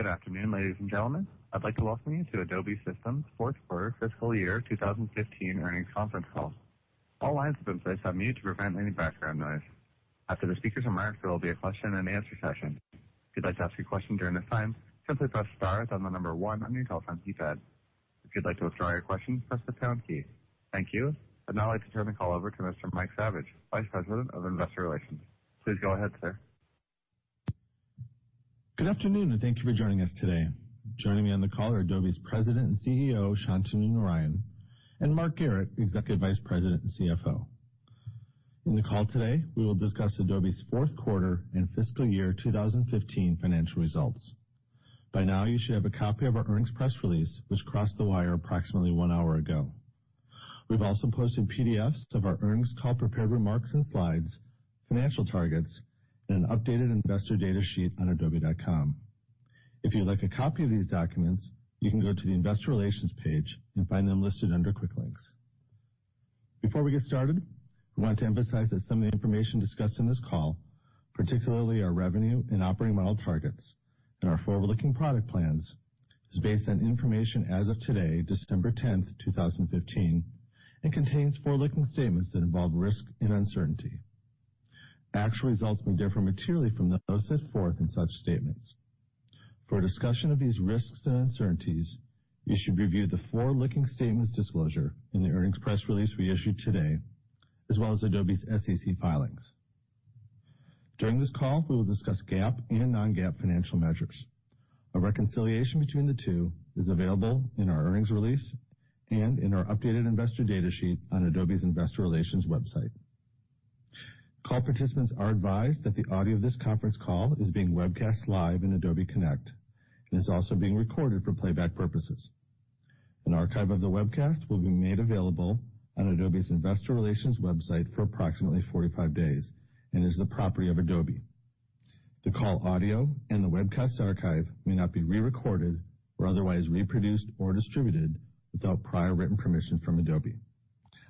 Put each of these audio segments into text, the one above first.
Good afternoon, ladies and gentlemen. I'd like to welcome you to Adobe Systems' fourth quarter fiscal year 2015 earnings conference call. All lines have been placed on mute to prevent any background noise. After the speakers remark, there will be a question and answer session. If you'd like to ask your question during this time, simply press star then the number one on your telephone keypad. If you'd like to withdraw your question, press the pound key. Thank you. I'd now like to turn the call over to Mr. Mike Saviage, Vice President of Investor Relations. Please go ahead, sir. Good afternoon. Thank you for joining us today. Joining me on the call are Adobe's President and CEO, Shantanu Narayen, and Mark Garrett, Executive Vice President and CFO. In the call today, we will discuss Adobe's fourth quarter and fiscal year 2015 financial results. By now, you should have a copy of our earnings press release which crossed the wire approximately 1 hour ago. We've also posted PDFs of our earnings call prepared remarks and slides, financial targets, and an updated investor data sheet on adobe.com. If you'd like a copy of these documents, you can go to the Investor Relations page and find them listed under Quick Links. Before we get started, we want to emphasize that some of the information discussed in this call, particularly our revenue and operating model targets and our forward-looking product plans, is based on information as of today, December 10, 2015, and contains forward-looking statements that involve risk and uncertainty. Actual results may differ materially from those set forth in such statements. For a discussion of these risks and uncertainties, you should review the forward-looking statements disclosure in the earnings press release we issued today, as well as Adobe's SEC filings. During this call, we will discuss GAAP and non-GAAP financial measures. A reconciliation between the two is available in our earnings release and in our updated investor data sheet on Adobe's Investor Relations website. Call participants are advised that the audio of this conference call is being webcast live in Adobe Connect and is also being recorded for playback purposes. An archive of the webcast will be made available on Adobe's Investor Relations website for approximately 45 days and is the property of Adobe. The call audio and the webcast archive may not be re-recorded or otherwise reproduced or distributed without prior written permission from Adobe.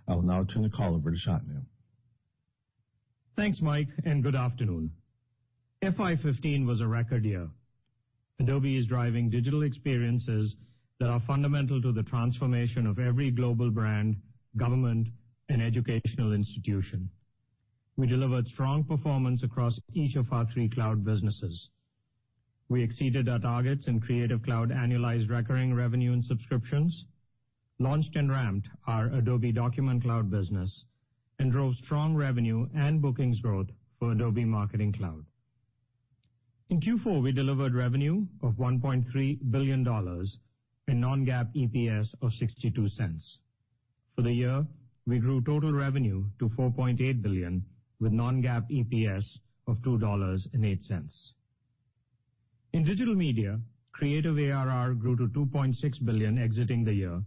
I will now turn the call over to Shantanu. Thanks, Mike, and good afternoon. FY 2015 was a record year. Adobe is driving digital experiences that are fundamental to the transformation of every global brand, government, and educational institution. We delivered strong performance across each of our three cloud businesses. We exceeded our targets in Creative Cloud annualized recurring revenue and subscriptions, launched and ramped our Adobe Document Cloud business, and drove strong revenue and bookings growth for Adobe Marketing Cloud. In Q4, we delivered revenue of $1.3 billion in non-GAAP EPS of $0.62. For the year, we grew total revenue to $4.8 billion with non-GAAP EPS of $2.08. In digital media, Creative ARR grew to $2.6 billion exiting the year,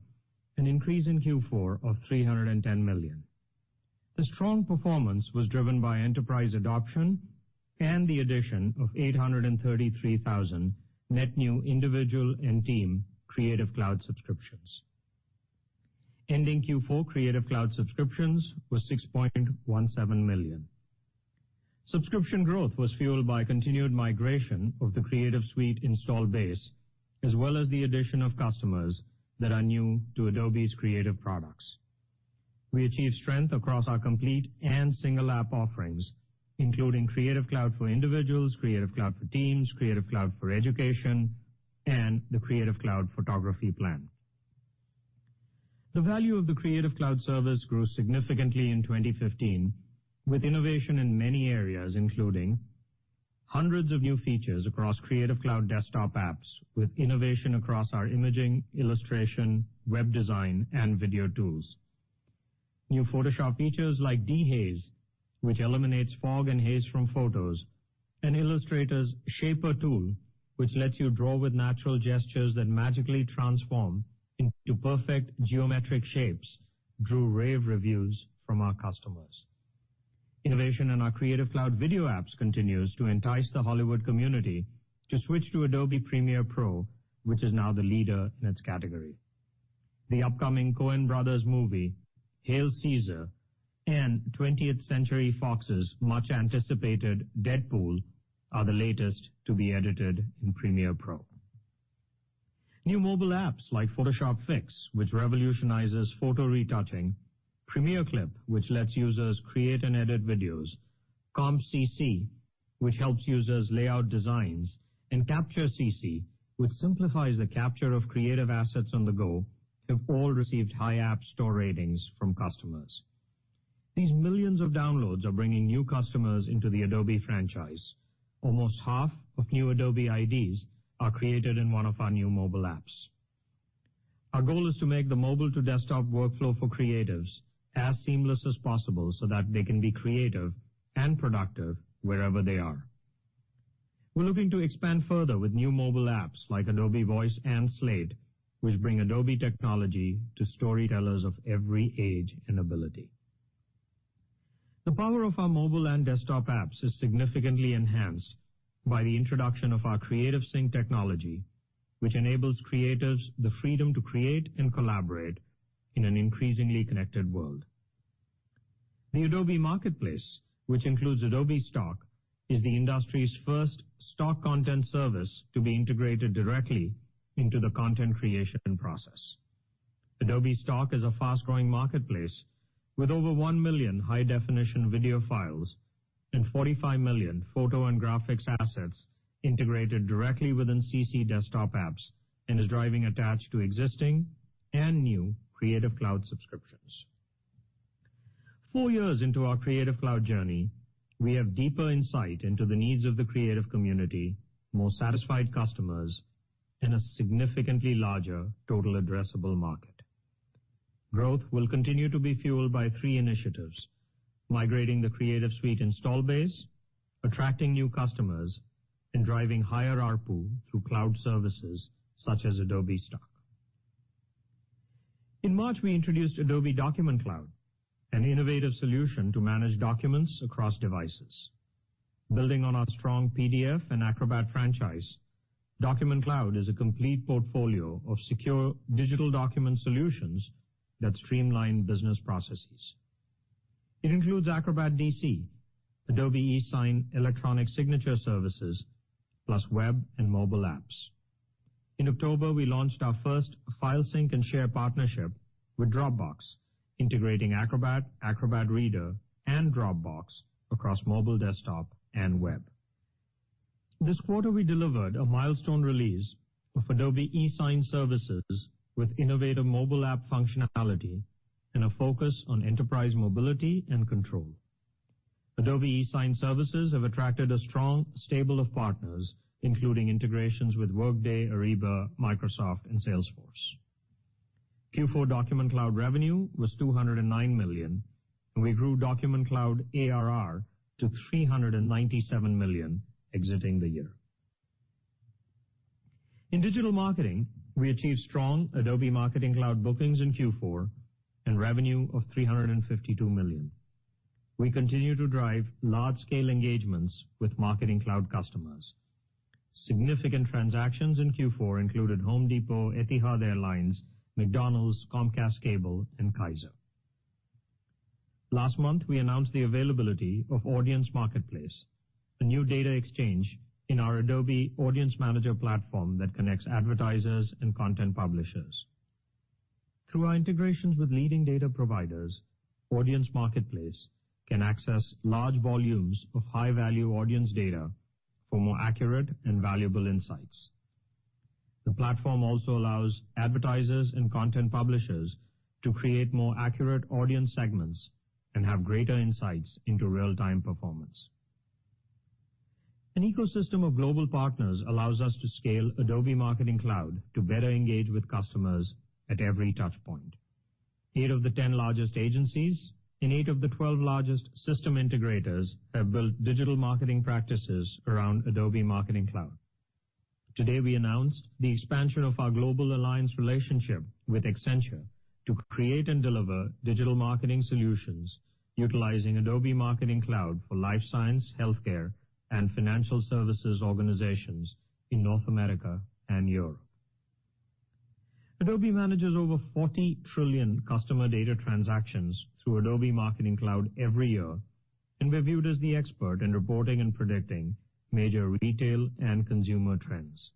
an increase in Q4 of $310 million. The strong performance was driven by enterprise adoption and the addition of 833,000 net new individual and team Creative Cloud subscriptions. Ending Q4 Creative Cloud subscriptions was 6.17 million. Subscription growth was fueled by continued migration of the Creative Suite install base, as well as the addition of customers that are new to Adobe's creative products. We achieved strength across our complete and single app offerings, including Creative Cloud for Individuals, Creative Cloud for Teams, Creative Cloud for Education, and the Creative Cloud Photography plan. The value of the Creative Cloud service grew significantly in 2015 with innovation in many areas, including hundreds of new features across Creative Cloud desktop apps with innovation across our imaging, illustration, web design, and video tools. New Photoshop features like Dehaze, which eliminates fog and haze from photos, and Illustrator's Shaper tool, which lets you draw with natural gestures that magically transform into perfect geometric shapes, drew rave reviews from our customers. Innovation in our Creative Cloud video apps continues to entice the Hollywood community to switch to Adobe Premiere Pro, which is now the leader in its category. The upcoming Coen brothers movie, "Hail, Caesar!" and 20th Century Fox's much-anticipated "Deadpool" are the latest to be edited in Premiere Pro. New mobile apps like Photoshop Fix, which revolutionizes photo retouching, Premiere Clip, which lets users create and edit videos, Comp CC, which helps users lay out designs, and Capture CC, which simplifies the capture of creative assets on the go, have all received high app store ratings from customers. These millions of downloads are bringing new customers into the Adobe franchise. Almost half of new Adobe IDs are created in one of our new mobile apps. Our goal is to make the mobile-to-desktop workflow for creatives as seamless as possible so that they can be creative and productive wherever they are. We're looking to expand further with new mobile apps like Adobe Voice and Adobe Slate, which bring Adobe technology to storytellers of every age and ability. The power of our mobile and desktop apps is significantly enhanced by the introduction of our CreativeSync technology, which enables creatives the freedom to create and collaborate in an increasingly connected world. The Adobe Marketplace, which includes Adobe Stock, is the industry's first stock content service to be integrated directly into the content creation process. Adobe Stock is a fast-growing marketplace with over 1 million high-definition video files and 45 million photo and graphics assets integrated directly within CC desktop apps and is driving attached to existing and new Creative Cloud subscriptions. Four years into our Creative Cloud journey, we have deeper insight into the needs of the creative community, more satisfied customers, and a significantly larger total addressable market. Growth will continue to be fueled by three initiatives: migrating the Creative Suite install base, attracting new customers, and driving higher ARPU through cloud services such as Adobe Stock. In March, we introduced Adobe Document Cloud, an innovative solution to manage documents across devices. Building on our strong PDF and Acrobat franchise, Document Cloud is a complete portfolio of secure digital document solutions that streamline business processes. It includes Acrobat DC, Adobe eSign electronic signature services, plus web and mobile apps. In October, we launched our first file sync and share partnership with Dropbox, integrating Acrobat Reader, and Dropbox across mobile, desktop, and web. This quarter, we delivered a milestone release of Adobe eSign services with innovative mobile app functionality and a focus on enterprise mobility and control. Adobe eSign services have attracted a strong stable of partners, including integrations with Workday, Ariba, Microsoft, and Salesforce. Q4 Document Cloud revenue was $209 million. We grew Document Cloud ARR to $397 million exiting the year. In digital marketing, we achieved strong Adobe Marketing Cloud bookings in Q4 and revenue of $352 million. We continue to drive large-scale engagements with Marketing Cloud customers. Significant transactions in Q4 included The Home Depot, Etihad Airways, McDonald's, Comcast Cable, and Kaiser Permanente. Last month, we announced the availability of Audience Marketplace, a new data exchange in our Adobe Audience Manager platform that connects advertisers and content publishers. Through our integrations with leading data providers, Audience Marketplace can access large volumes of high-value audience data for more accurate and valuable insights. The platform also allows advertisers and content publishers to create more accurate audience segments and have greater insights into real-time performance. An ecosystem of global partners allows us to scale Adobe Marketing Cloud to better engage with customers at every touchpoint. Eight of the 10 largest agencies and eight of the 12 largest system integrators have built digital marketing practices around Adobe Marketing Cloud. Today, we announced the expansion of our global alliance relationship with Accenture to create and deliver digital marketing solutions utilizing Adobe Marketing Cloud for life science, healthcare, and financial services organizations in North America and Europe. Adobe manages over 40 trillion customer data transactions through Adobe Marketing Cloud every year. We're viewed as the expert in reporting and predicting major retail and consumer trends.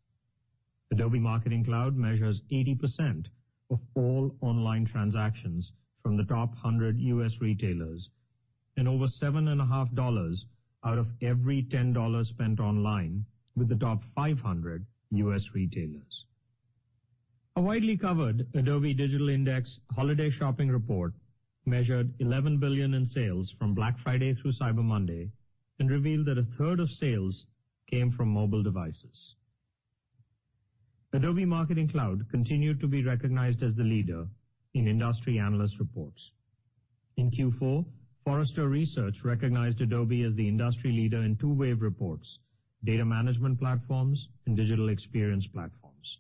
Adobe Marketing Cloud measures 80% of all online transactions from the top 100 U.S. retailers and over seven and a half dollars out of every $10 spent online with the top 500 U.S. retailers. A widely covered Adobe Digital Index holiday shopping report measured $11 billion in sales from Black Friday through Cyber Monday and revealed that a third of sales came from mobile devices. Adobe Marketing Cloud continued to be recognized as the leader in industry analyst reports. In Q4, Forrester Research recognized Adobe as the industry leader in two Forrester Wave reports, data management platforms and digital experience platforms.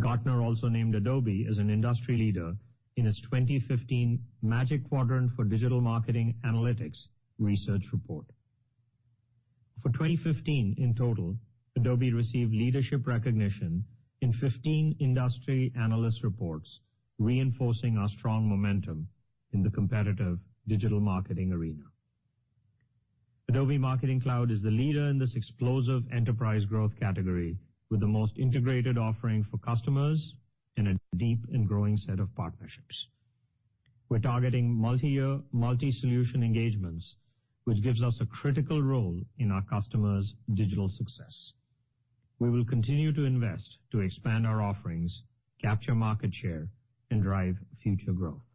Gartner also named Adobe as an industry leader in its 2015 Magic Quadrant for Digital Marketing Analytics research report. For 2015 in total, Adobe received leadership recognition in 15 industry analyst reports, reinforcing our strong momentum in the competitive digital marketing arena. Adobe Marketing Cloud is the leader in this explosive enterprise growth category with the most integrated offering for customers and a deep and growing set of partnerships. We're targeting multi-year, multi-solution engagements, which gives us a critical role in our customers' digital success. We will continue to invest to expand our offerings, capture market share, and drive future growth.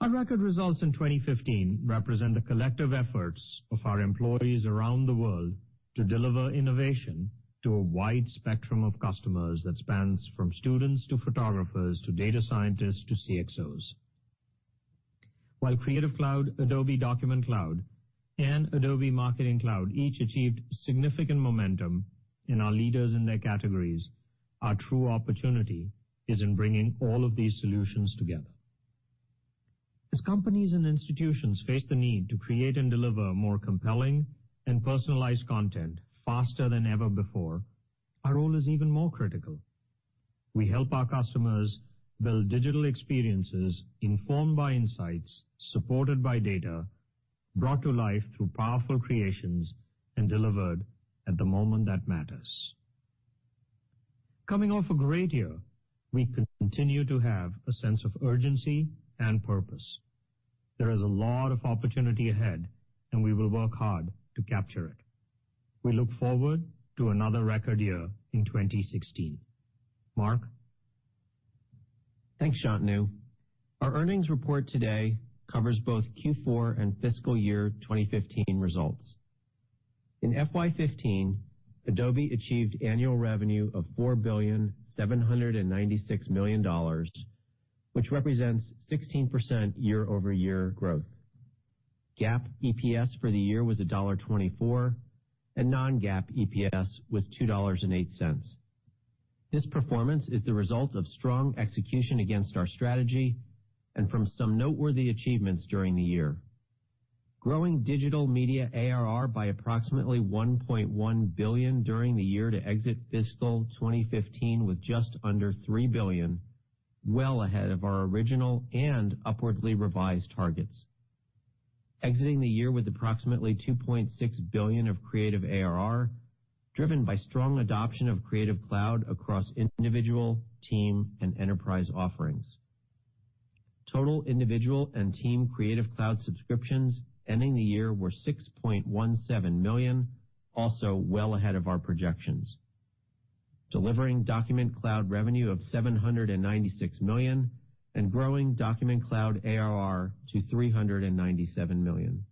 Our record results in 2015 represent the collective efforts of our employees around the world to deliver innovation to a wide spectrum of customers that spans from students to photographers to data scientists to CXOs. While Creative Cloud, Adobe Document Cloud and Adobe Marketing Cloud each achieved significant momentum and are leaders in their categories. Our true opportunity is in bringing all of these solutions together. As companies and institutions face the need to create and deliver more compelling and personalized content faster than ever before, our role is even more critical. We help our customers build digital experiences informed by insights, supported by data, brought to life through powerful creations, and delivered at the moment that matters. Coming off a great year, we continue to have a sense of urgency and purpose. There is a lot of opportunity ahead, and we will work hard to capture it. We look forward to another record year in 2016. Mark? Thanks, Shantanu. Our earnings report today covers both Q4 and fiscal year 2015 results. In FY 2015, Adobe achieved annual revenue of $4.796 billion, which represents 16% year-over-year growth. GAAP EPS for the year was $1.24, and non-GAAP EPS was $2.08. This performance is the result of strong execution against our strategy and from some noteworthy achievements during the year. Growing Digital Media ARR by approximately $1.1 billion during the year to exit fiscal 2015 with just under $3 billion, well ahead of our original and upwardly revised targets. Exiting the year with approximately $2.6 billion of Creative ARR, driven by strong adoption of Creative Cloud across individual, team, and enterprise offerings. Total individual and team Creative Cloud subscriptions ending the year were 6.17 million, also well ahead of our projections. Delivering Document Cloud revenue of $796 million and growing Document Cloud ARR to $397 million.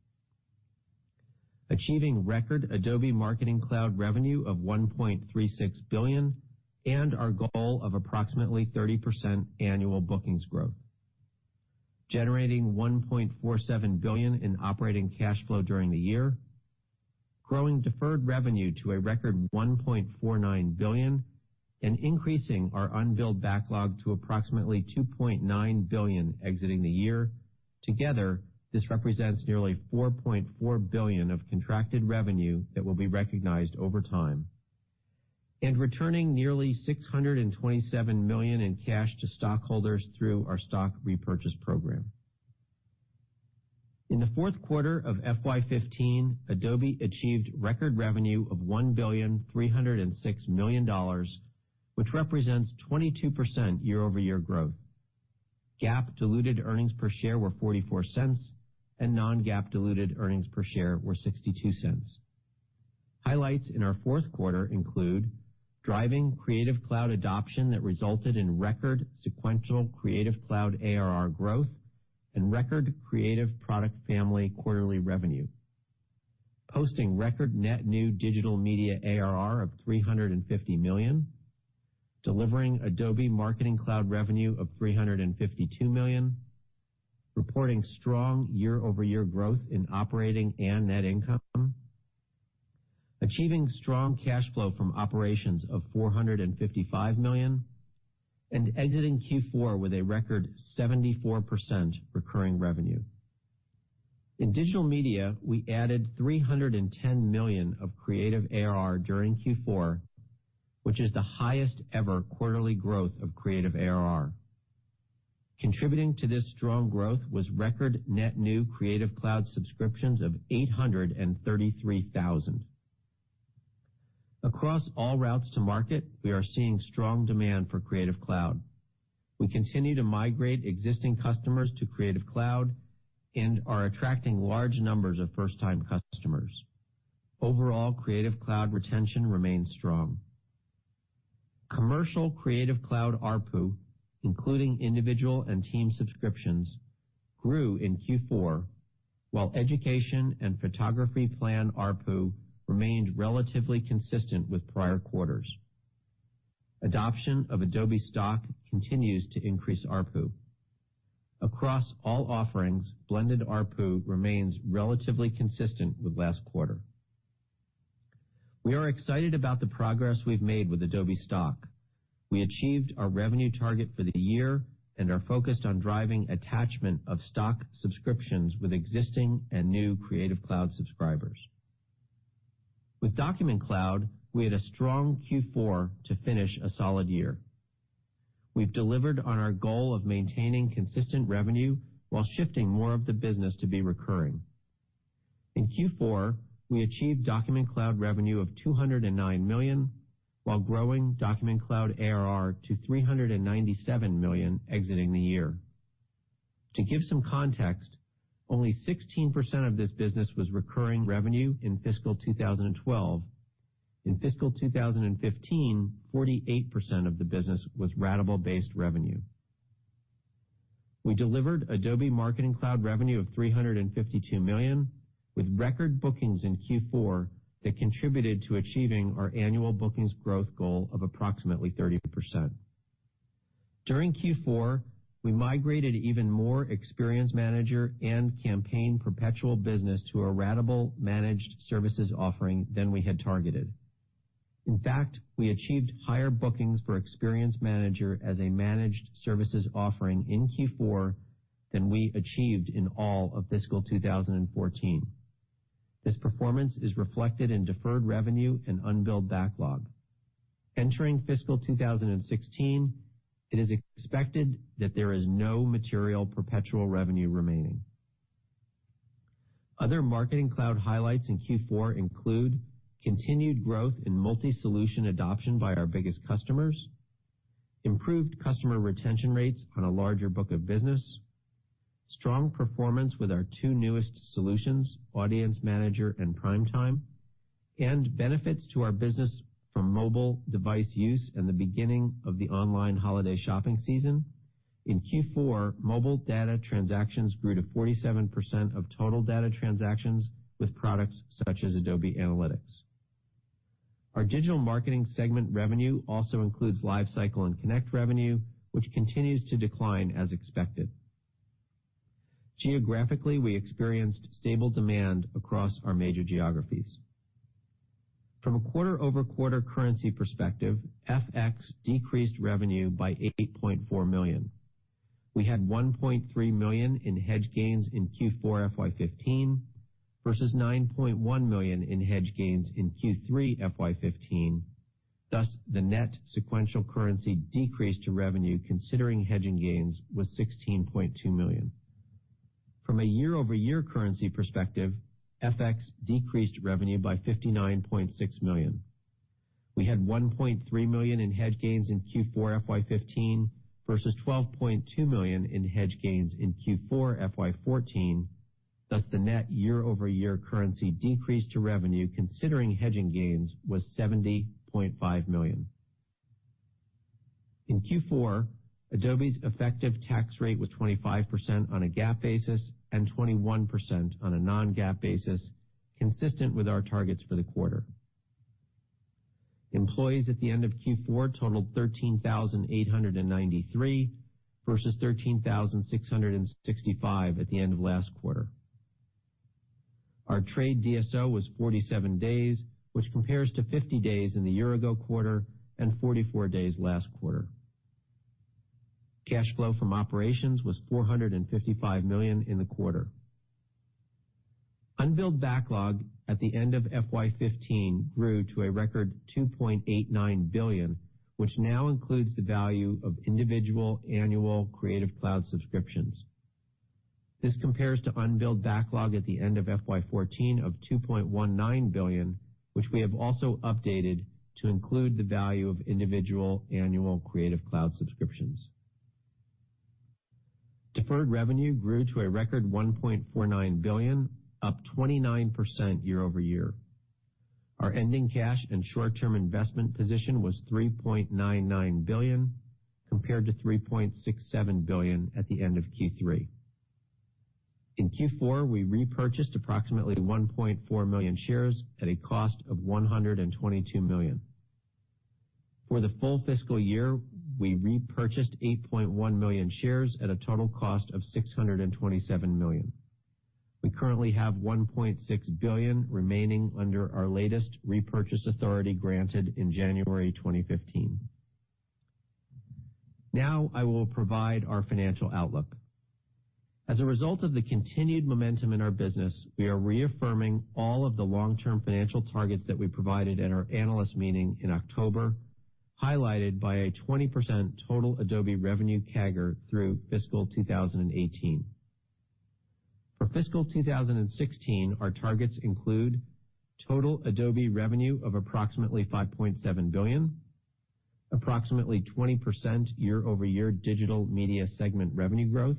Achieving record Adobe Marketing Cloud revenue of $1.36 billion and our goal of approximately 30% annual bookings growth. Generating $1.47 billion in operating cash flow during the year, growing deferred revenue to a record $1.49 billion, and increasing our unbilled backlog to approximately $2.9 billion exiting the year. Together, this represents nearly $4.4 billion of contracted revenue that will be recognized over time. Returning nearly $627 million in cash to stockholders through our stock repurchase program. In the fourth quarter of FY 2015, Adobe achieved record revenue of $1.306 billion, which represents 22% year-over-year growth. GAAP diluted earnings per share were $0.44, and non-GAAP diluted earnings per share were $0.62. Highlights in our fourth quarter include driving Creative Cloud adoption that resulted in record sequential Creative Cloud ARR growth and record Creative Cloud product family quarterly revenue. Posting record net new digital media ARR of $350 million, delivering Adobe Marketing Cloud revenue of $352 million, reporting strong year-over-year growth in operating and net income, achieving strong cash flow from operations of $455 million, and exiting Q4 with a record 74% recurring revenue. In digital media, we added $310 million of Creative ARR during Q4, which is the highest-ever quarterly growth of Creative ARR. Contributing to this strong growth was record net new Creative Cloud subscriptions of 833,000. Across all routes to market, we are seeing strong demand for Creative Cloud. We continue to migrate existing customers to Creative Cloud and are attracting large numbers of first-time customers. Overall, Creative Cloud retention remains strong. Commercial Creative Cloud ARPU, including individual and team subscriptions, grew in Q4, while education and photography plan ARPU remained relatively consistent with prior quarters. Adoption of Adobe Stock continues to increase ARPU. Across all offerings, blended ARPU remains relatively consistent with last quarter. We are excited about the progress we've made with Adobe Stock. We achieved our revenue target for the year and are focused on driving attachment of Stock subscriptions with existing and new Creative Cloud subscribers. With Document Cloud, we had a strong Q4 to finish a solid year. We've delivered on our goal of maintaining consistent revenue while shifting more of the business to be recurring. In Q4, we achieved Document Cloud revenue of $209 million while growing Document Cloud ARR to $397 million exiting the year. To give some context, only 16% of this business was recurring revenue in fiscal 2012. In fiscal 2015, 48% of the business was ratable-based revenue. We delivered Adobe Marketing Cloud revenue of $352 million with record bookings in Q4 that contributed to achieving our annual bookings growth goal of approximately 30%. During Q4, we migrated even more Experience Manager and Campaign perpetual business to a ratable managed services offering than we had targeted. In fact, we achieved higher bookings for Experience Manager as a managed services offering in Q4 than we achieved in all of fiscal 2014. This performance is reflected in deferred revenue and unbilled backlog. Entering fiscal 2016, it is expected that there is no material perpetual revenue remaining. Other Marketing Cloud highlights in Q4 include continued growth in multi-solution adoption by our biggest customers, improved customer retention rates on a larger book of business, strong performance with our two newest solutions, Adobe Audience Manager and Adobe Primetime, and benefits to our business from mobile device use and the beginning of the online holiday shopping season. In Q4, mobile data transactions grew to 47% of total data transactions with products such as Adobe Analytics. Our digital marketing segment revenue also includes LiveCycle and Connect revenue, which continues to decline as expected. Geographically, we experienced stable demand across our major geographies. From a quarter-over-quarter currency perspective, FX decreased revenue by $8.4 million. We had $1.3 million in hedge gains in Q4 FY 2015 versus $9.1 million in hedge gains in Q3 FY 2015. Thus, the net sequential currency decrease to revenue considering hedging gains was $16.2 million. From a year-over-year currency perspective, FX decreased revenue by $59.6 million. We had $1.3 million in hedge gains in Q4 FY 2015 versus $12.2 million in hedge gains in Q4 FY 2014. Thus, the net year-over-year currency decrease to revenue considering hedging gains was $70.5 million. In Q4, Adobe's effective tax rate was 25% on a GAAP basis and 21% on a non-GAAP basis, consistent with our targets for the quarter. Employees at the end of Q4 totaled 13,893 versus 13,665 at the end of last quarter. Our trade DSO was 47 days, which compares to 50 days in the year-ago quarter and 44 days last quarter. Cash flow from operations was $455 million in the quarter. Unbilled backlog at the end of FY 2015 grew to a record $2.89 billion, which now includes the value of individual annual Creative Cloud subscriptions. This compares to unbilled backlog at the end of FY 2014 of $2.19 billion, which we have also updated to include the value of individual annual Creative Cloud subscriptions. Deferred revenue grew to a record $1.49 billion, up 29% year-over-year. Our ending cash and short-term investment position was $3.99 billion, compared to $3.67 billion at the end of Q3. In Q4, we repurchased approximately 1.4 million shares at a cost of $122 million. For the full fiscal year, we repurchased 8.1 million shares at a total cost of $627 million. We currently have $1.6 billion remaining under our latest repurchase authority granted in January 2015. I will provide our financial outlook. As a result of the continued momentum in our business, we are reaffirming all of the long-term financial targets that we provided at our analyst meeting in October, highlighted by a 20% total Adobe revenue CAGR through fiscal 2018. For fiscal 2016, our targets include total Adobe revenue of approximately $5.7 billion, approximately 20% year-over-year Digital Media segment revenue growth,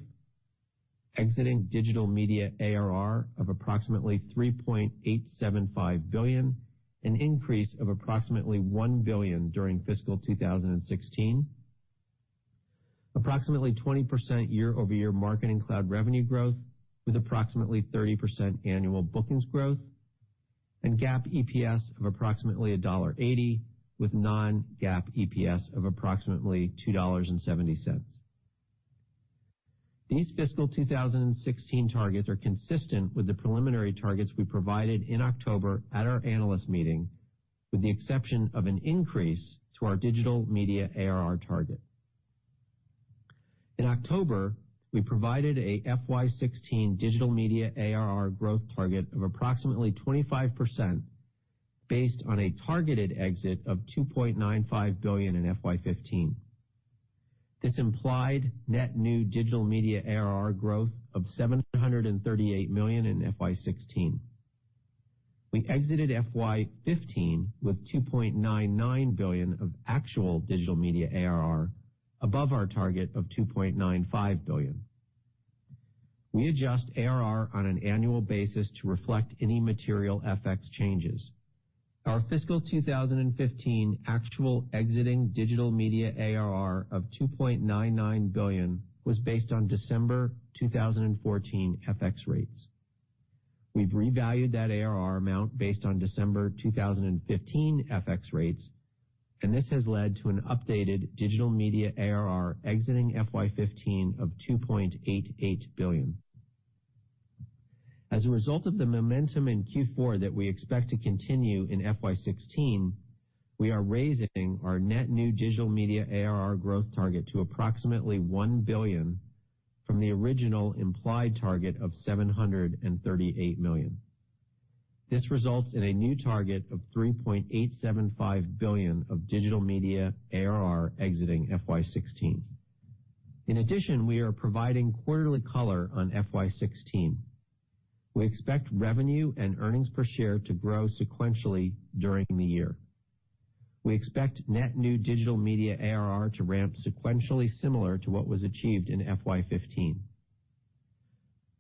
exiting Digital Media ARR of approximately $3.875 billion, an increase of approximately $1 billion during fiscal 2016, approximately 20% year-over-year Marketing Cloud revenue growth, with approximately 30% annual bookings growth, and GAAP EPS of approximately $1.80 with non-GAAP EPS of approximately $2.70. These fiscal 2016 targets are consistent with the preliminary targets we provided in October at our analyst meeting, with the exception of an increase to our Digital Media ARR target. In October, we provided a FY 2016 Digital Media ARR growth target of approximately 25% based on a targeted exit of $2.95 billion in FY 2015. This implied net new Digital Media ARR growth of $738 million in FY 2016. We exited FY 2015 with $2.99 billion of actual Digital Media ARR above our target of $2.95 billion. We adjust ARR on an annual basis to reflect any material FX changes. Our fiscal 2015 actual exiting Digital Media ARR of $2.99 billion was based on December 2014 FX rates. We've revalued that ARR amount based on December 2015 FX rates, and this has led to an updated Digital Media ARR exiting FY 2015 of $2.88 billion. As a result of the momentum in Q4 that we expect to continue in FY 2016, we are raising our net new Digital Media ARR growth target to approximately $1 billion from the original implied target of $738 million. This results in a new target of $3.875 billion of Digital Media ARR exiting FY 2016. In addition, we are providing quarterly color on FY 2016. We expect revenue and earnings per share to grow sequentially during the year. We expect net new Digital Media ARR to ramp sequentially similar to what was achieved in FY 2015.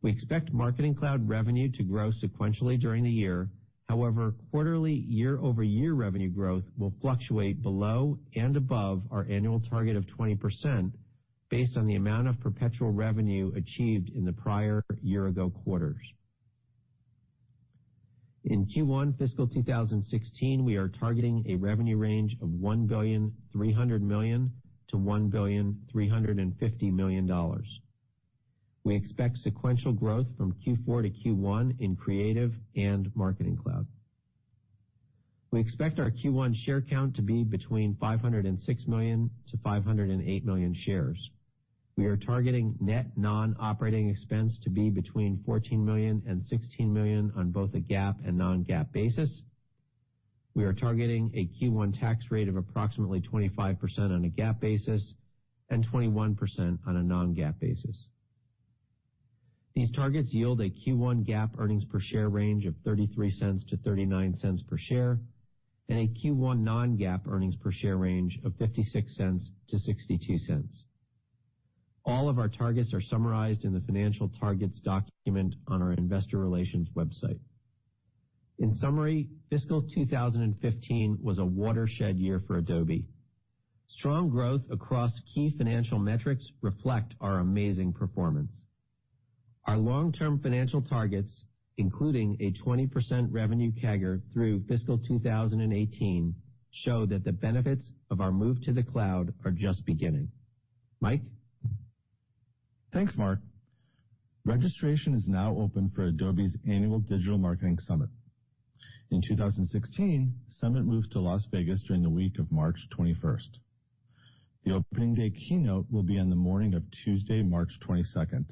We expect Marketing Cloud revenue to grow sequentially during the year. However, quarterly year-over-year revenue growth will fluctuate below and above our annual target of 20%, based on the amount of perpetual revenue achieved in the prior year-ago quarters. In Q1 fiscal 2016, we are targeting a revenue range of $1,300 million-$1,350 million. We expect sequential growth from Q4 to Q1 in Creative Cloud and Marketing Cloud. We expect our Q1 share count to be between 506 million-508 million shares. We are targeting net non-operating expense to be between $14 million and $16 million on both a GAAP and non-GAAP basis. We are targeting a Q1 tax rate of approximately 25% on a GAAP basis and 21% on a non-GAAP basis. These targets yield a Q1 GAAP earnings per share range of $0.33-$0.39 per share and a Q1 non-GAAP earnings per share range of $0.56-$0.62. All of our targets are summarized in the financial targets document on our investor relations website. In summary, fiscal 2015 was a watershed year for Adobe. Strong growth across key financial metrics reflect our amazing performance. Our long-term financial targets, including a 20% revenue CAGR through fiscal 2018, show that the benefits of our move to the cloud are just beginning. Mike? Thanks, Mark. Registration is now open for Adobe Summit. In 2016, Summit moves to Las Vegas during the week of March 21st. The opening day keynote will be on the morning of Tuesday, March 22nd,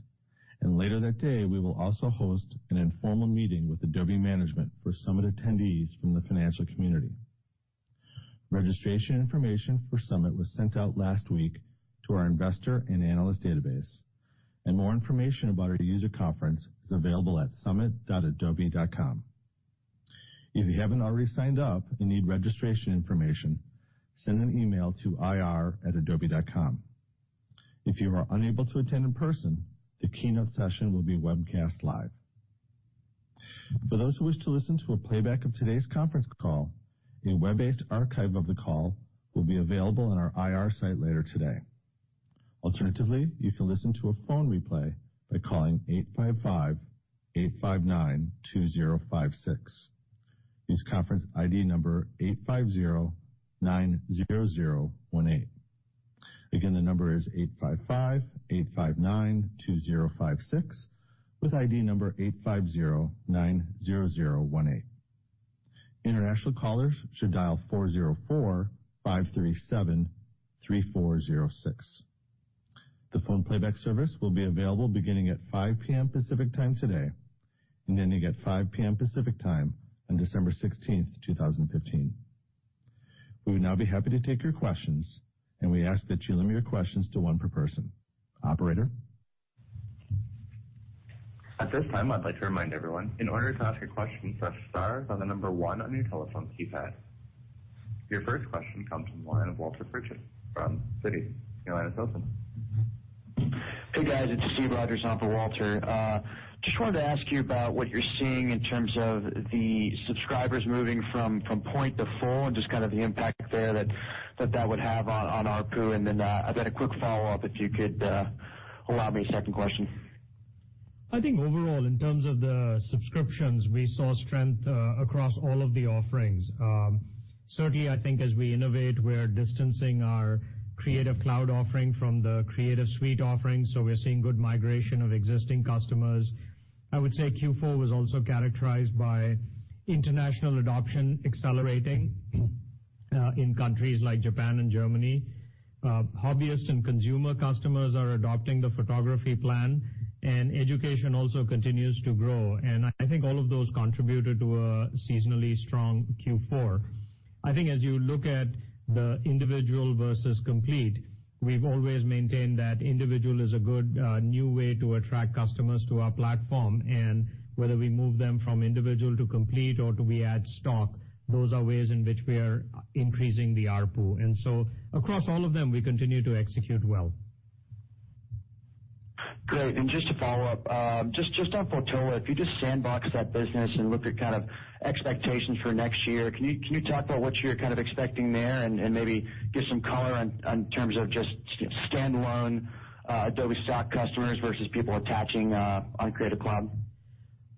and later that day, we will also host an informal meeting with Adobe management for Summit attendees from the financial community. Registration information for Summit was sent out last week to our investor and analyst database, and more information about our user conference is available at summit.adobe.com. If you haven't already signed up and need registration information, send an email to ir@adobe.com. If you are unable to attend in person, the keynote session will be webcast live. For those who wish to listen to a playback of today's conference call, a web-based archive of the call will be available on our IR site later today. Alternatively, you can listen to a phone replay by calling 855-859-2056. Use conference ID number 85090018. Again, the number is 855-859-2056 with ID number 85090018. International callers should dial 404-537-3406. The phone playback service will be available beginning at 5:00 P.M. Pacific Time today, and ending at 5:00 P.M. Pacific Time on December 16th, 2015. We would now be happy to take your questions, and we ask that you limit your questions to one per person. Operator? At this time, I'd like to remind everyone, in order to ask a question, press star, then the number 1 on your telephone keypad. Your first question comes from the line of Walter Pritchard from Citi. Your line is open. Hey, guys, it's Steven Rogers on for Walter. Just wanted to ask you about what you're seeing in terms of the subscribers moving from point to full and just kind of the impact there that that would have on ARPU, then a quick follow-up if you could allow me a second question. I think overall, in terms of the subscriptions, we saw strength across all of the offerings. Certainly, I think as we innovate, we're distancing our Creative Cloud offering from the Creative Suite offerings, so we're seeing good migration of existing customers. I would say Q4 was also characterized by international adoption accelerating in countries like Japan and Germany. Hobbyist and consumer customers are adopting the Photography Plan, and Education also continues to grow. I think all of those contributed to a seasonally strong Q4. I think as you look at the Individual versus Complete, we've always maintained that Individual is a good new way to attract customers to our platform, and whether we move them from Individual to Complete or do we add Stock, those are ways in which we are increasing the ARPU. So across all of them, we continue to execute well. Great. Just to follow up, just on Fotolia, if you just sandbox that business and look at kind of expectations for next year, can you talk about what you're kind of expecting there and maybe give some color in terms of just standalone Adobe Stock customers versus people attaching on Creative Cloud?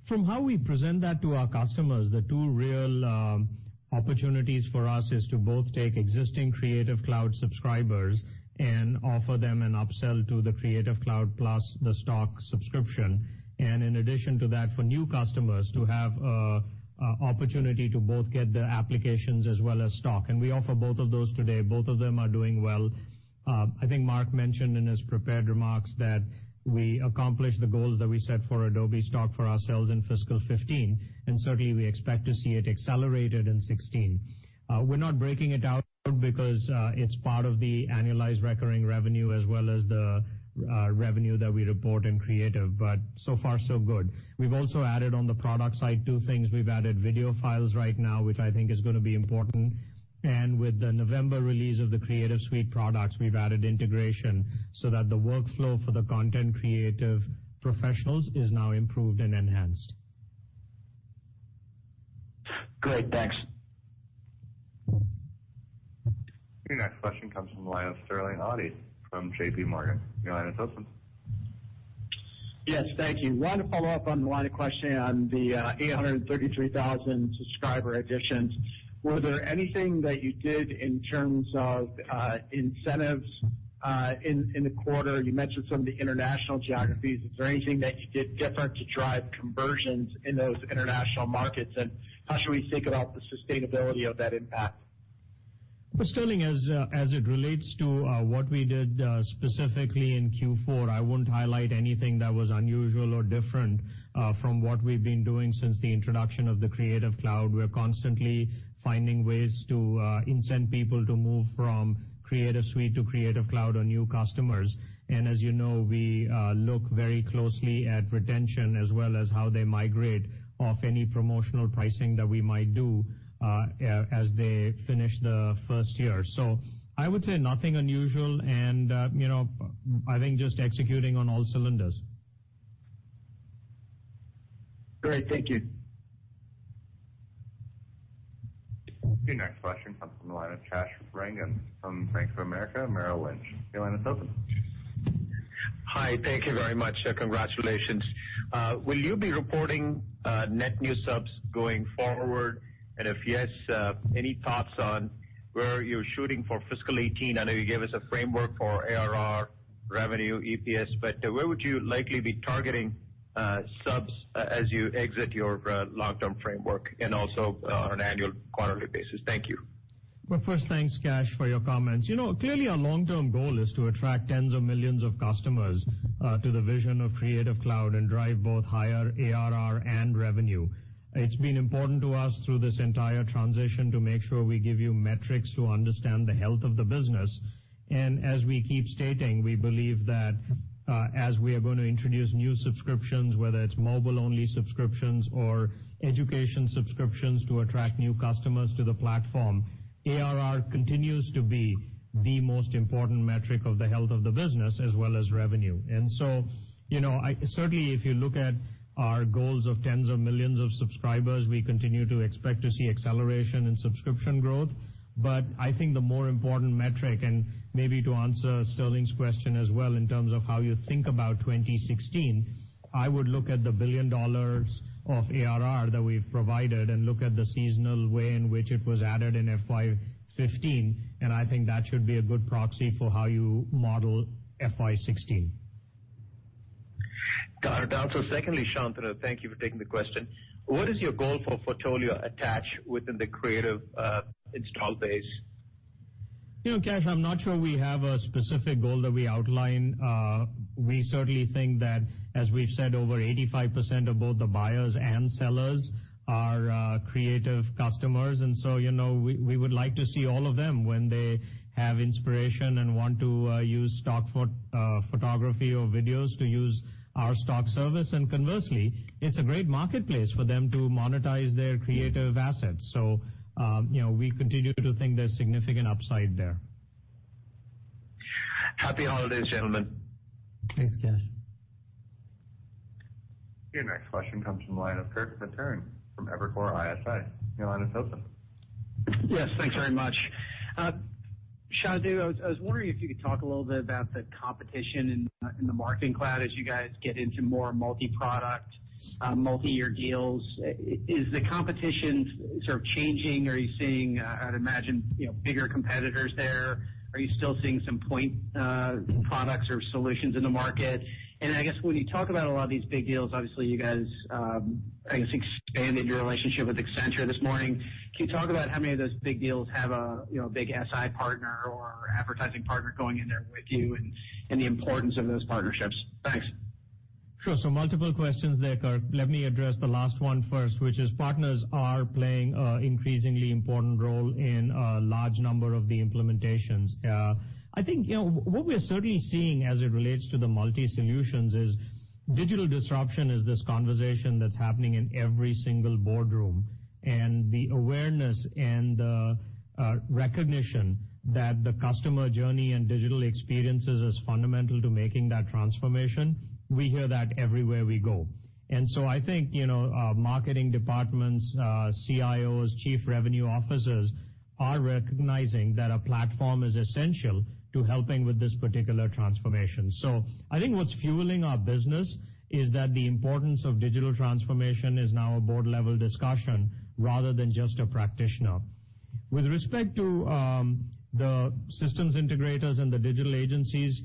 From how we present that to our customers, the two real opportunities for us is to both take existing Creative Cloud subscribers and offer them an upsell to the Creative Cloud, plus the Stock subscription. In addition to that, for new customers to have opportunity to both get the applications as well as Stock. We offer both of those today. Both of them are doing well. I think Mark mentioned in his prepared remarks that we accomplished the goals that we set for Adobe Stock for ourselves in fiscal 2015, and certainly, we expect to see it accelerated in 2016. We're not breaking it out because it's part of the annualized recurring revenue as well as the revenue that we report in Creative, but so far so good. We've also added on the product side, two things. We've added video files right now, which I think is going to be important. With the November release of the Creative Suite products, we've added integration so that the workflow for the content creative professionals is now improved and enhanced. Great. Thanks. Your next question comes from the line of Sterling Auty from JPMorgan. Your line is open. Yes. Thank you. One follow-up on the line of questioning on the 833,000 subscriber additions. Was there anything that you did in terms of incentives in the quarter? You mentioned some of the international geographies. Is there anything that you did different to drive conversions in those international markets? How should we think about the sustainability of that impact? Well, Sterling, as it relates to what we did specifically in Q4, I wouldn't highlight anything that was unusual or different from what we've been doing since the introduction of the Creative Cloud. We're constantly finding ways to incent people to move from Creative Suite to Creative Cloud or new customers. As you know, we look very closely at retention as well as how they migrate off any promotional pricing that we might do as they finish the first year. I would say nothing unusual and I think just executing on all cylinders. Great. Thank you. Your next question comes from the line of Kash Rangan from Bank of America Merrill Lynch. Your line is open. Hi. Thank you very much. Congratulations. Will you be reporting net new subs going forward? If yes, any thoughts on where you're shooting for fiscal 2018? I know you gave us a framework for ARR revenue, EPS, where would you likely be targeting subs, as you exit your long-term framework and also on an annual quarterly basis? Thank you. Well, first, thanks, Kash, for your comments. Clearly, our long-term goal is to attract tens of millions of customers to the vision of Creative Cloud and drive both higher ARR and revenue. It's been important to us through this entire transition to make sure we give you metrics to understand the health of the business. As we keep stating, we believe that as we are going to introduce new subscriptions, whether it's mobile-only subscriptions or education subscriptions to attract new customers to the platform, ARR continues to be the most important metric of the health of the business as well as revenue. Certainly, if you look at our goals of tens of millions of subscribers, we continue to expect to see acceleration in subscription growth. I think the more important metric, maybe to answer Sterling's question as well, in terms of how you think about 2016, I would look at the $1 billion of ARR that we've provided and look at the seasonal way in which it was added in FY 2015, I think that should be a good proxy for how you model FY 2016. Got it. Secondly, Shantanu, thank you for taking the question. What is your goal for Fotolia Attach within the Creative install base? Kash, I'm not sure we have a specific goal that we outline. We certainly think that, as we've said, over 85% of both the buyers and sellers are Creative customers, and so, we would like to see all of them when they have inspiration and want to use stock photography or videos to use our stock service. Conversely, it's a great marketplace for them to monetize their creative assets. We continue to think there's significant upside there. Happy holidays, gentlemen. Thanks, Kash. Your next question comes from the line of Kirk Materne from Evercore ISI. Your line is open. Yes. Thanks very much. Shantanu, I was wondering if you could talk a little bit about the competition in the marketing cloud as you guys get into more multi-product, multi-year deals. Is the competition sort of changing? Are you seeing, I'd imagine, bigger competitors there? Are you still seeing some point products or solutions in the market? I guess, when you talk about a lot of these big deals, obviously you guys, I guess, expanded your relationship with Accenture this morning. Can you talk about how many of those big deals have a big SI partner or advertising partner going in there with you and the importance of those partnerships? Thanks. Sure. Multiple questions there, Kirk. Let me address the last one first, which is partners are playing an increasingly important role in a large number of the implementations. I think what we're certainly seeing as it relates to the multi-solutions is digital disruption is this conversation that's happening in every single boardroom. The awareness and the recognition that the customer journey and digital experiences is fundamental to making that transformation, we hear that everywhere we go. I think, marketing departments, CIOs, chief revenue officers are recognizing that a platform is essential to helping with this particular transformation. I think what's fueling our business is that the importance of digital transformation is now a board-level discussion rather than just a practitioner. With respect to the systems integrators and the digital agencies,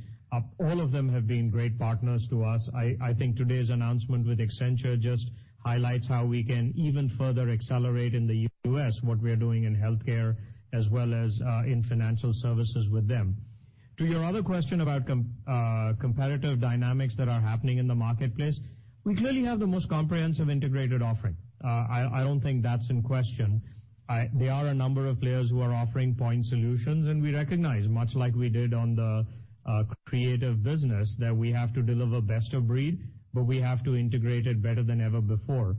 all of them have been great partners to us. I think today's announcement with Accenture just highlights how we can even further accelerate in the U.S. what we are doing in healthcare as well as in financial services with them. To your other question about competitive dynamics that are happening in the marketplace, we clearly have the most comprehensive integrated offering. I don't think that's in question. There are a number of players who are offering point solutions, and we recognize, much like we did on the creative business, that we have to deliver best of breed, but we have to integrate it better than ever before.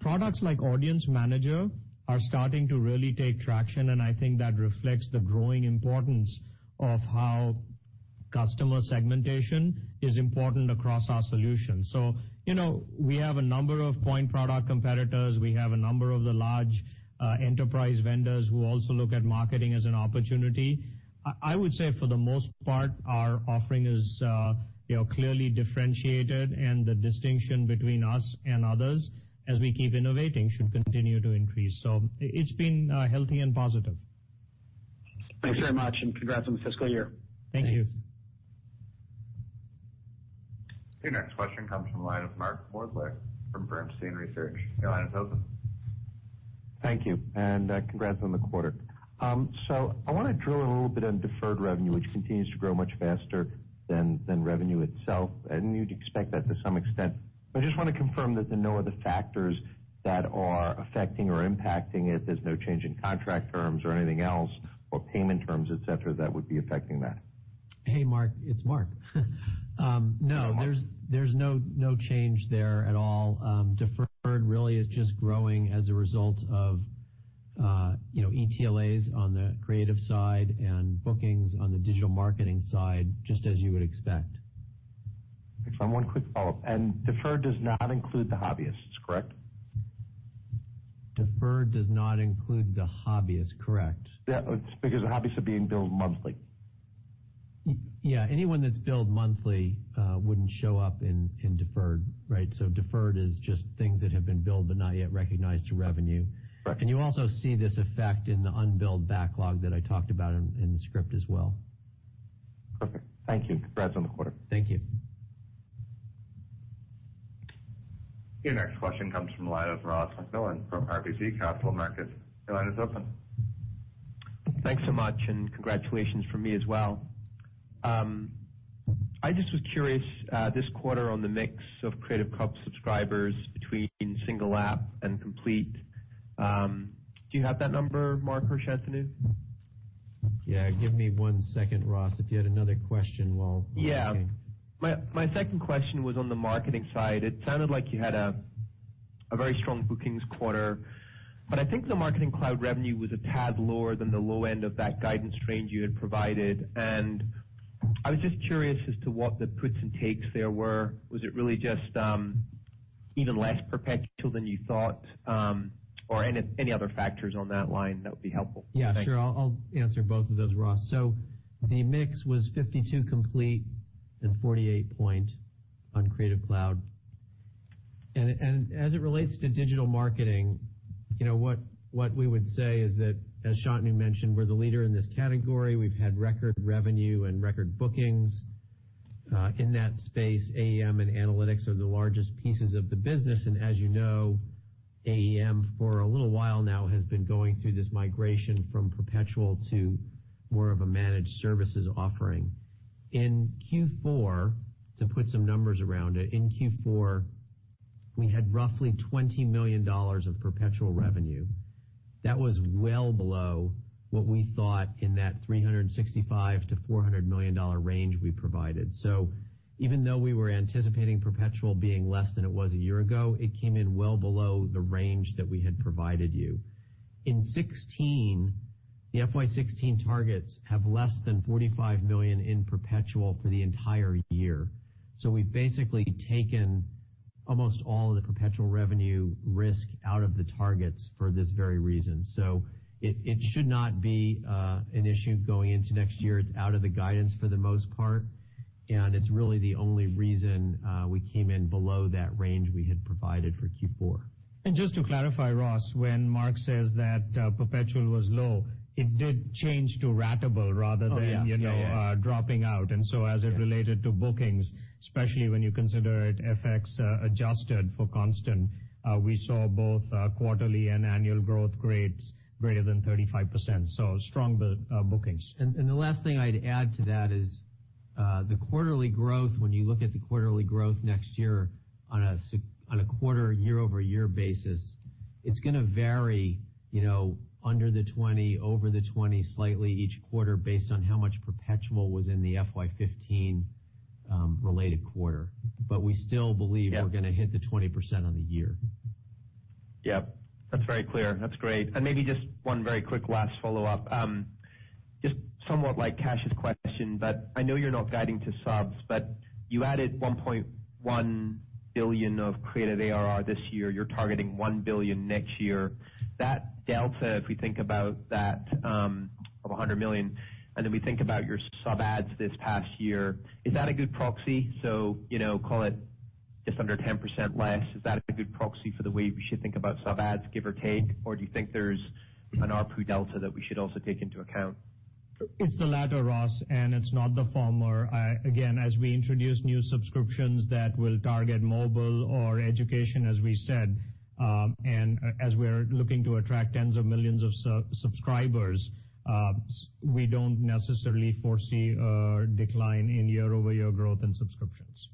Products like Audience Manager are starting to really take traction, and I think that reflects the growing importance of how customer segmentation is important across our solution. We have a number of point product competitors. We have a number of the large enterprise vendors who also look at marketing as an opportunity. I would say for the most part, our offering is clearly differentiated and the distinction between us and others, as we keep innovating, should continue to increase. It's been healthy and positive. Thanks very much and congrats on the fiscal year. Thank you. Your next question comes from the line of Mark Moerdler from Bernstein Research. Your line is open. Thank you. Congrats on the quarter. I want to drill a little bit on deferred revenue, which continues to grow much faster than revenue itself. You'd expect that to some extent, but I just want to confirm that there are no other factors that are affecting or impacting it. There's no change in contract terms or anything else, or payment terms, et cetera, that would be affecting that. Hey, Mark. It's Mark. No. Hey, Mark. There's no change there at all. Deferred really is just growing as a result of ETLAs on the creative side and bookings on the digital marketing side, just as you would expect. Thanks. One quick follow-up. Deferred does not include the hobbyists, correct? Deferred does not include the hobbyists, correct. Yeah, because the hobbyists are being billed monthly. Yeah. Anyone that's billed monthly wouldn't show up in deferred, right? Deferred is just things that have been billed but not yet recognized to revenue. Correct. You also see this effect in the unbilled backlog that I talked about in the script as well. Perfect. Thank you. Congrats on the quarter. Thank you. Your next question comes from the line of Ross MacMillan from RBC Capital Markets. Your line is open. Thanks so much, congratulations from me as well. I just was curious this quarter on the mix of Creative Cloud subscribers between single app and complete. Do you have that number, Mark Hershenson? Yeah. Give me one second, Ross. If you had another question while we're waiting. Yeah. My second question was on the marketing side. It sounded like you had a very strong bookings quarter, I think the Adobe Marketing Cloud revenue was a tad lower than the low end of that guidance range you had provided. I was just curious as to what the puts and takes there were. Was it really just even less perpetual than you thought? Any other factors on that line that would be helpful. Thanks. Yeah, sure. I'll answer both of those, Ross. The mix was 52 complete and 48% on Creative Cloud. As it relates to digital marketing, what we would say is that, as Shantanu mentioned, we're the leader in this category. We've had record revenue and record bookings. In that space, AEM and Adobe Analytics are the largest pieces of the business. As you know, AEM, for a little while now, has been going through this migration from perpetual to more of a managed services offering. In Q4, to put some numbers around it, in Q4, we had roughly $20 million of perpetual revenue. That was well below what we thought in that $365 million-$400 million range we provided. Even though we were anticipating perpetual being less than it was a year ago, it came in well below the range that we had provided you. In 2016, the FY 2016 targets have less than $45 million in perpetual for the entire year. We've basically taken almost all of the perpetual revenue risk out of the targets for this very reason. It should not be an issue going into next year. It's out of the guidance for the most part, it's really the only reason we came in below that range we had provided for Q4. Just to clarify, Ross, when Mark says that perpetual was low, it did change to ratable rather than. Oh, yeah. dropping out. As it related to bookings, especially when you consider it FX adjusted for constant, we saw both quarterly and annual growth grades greater than 35%. Strong bookings. The last thing I'd add to that is the quarterly growth, when you look at the quarterly growth next year on a quarter year-over-year basis, it's going to vary under the 20, over the 20 slightly each quarter based on how much perpetual was in the FY 2015 related quarter. We still believe. Yeah We're going to hit the 20% on the year. Yep. That's very clear. That's great. Maybe just one very quick last follow-up. Just somewhat like Kash's question, but I know you're not guiding to subs, but you added $1.1 billion of Creative ARR this year. You're targeting $1 billion next year. That delta, if we think about that of $100 million, and then we think about your sub adds this past year, is that a good proxy? Call it Just under 10% less. Is that a good proxy for the way we should think about sub adds, give or take? Or do you think there's an ARPU delta that we should also take into account? It's the latter, Ross, and it's not the former. Again, as we introduce new subscriptions that will target mobile or education as we said, and as we're looking to attract tens of millions of subscribers, we don't necessarily foresee a decline in year-over-year growth in subscriptions.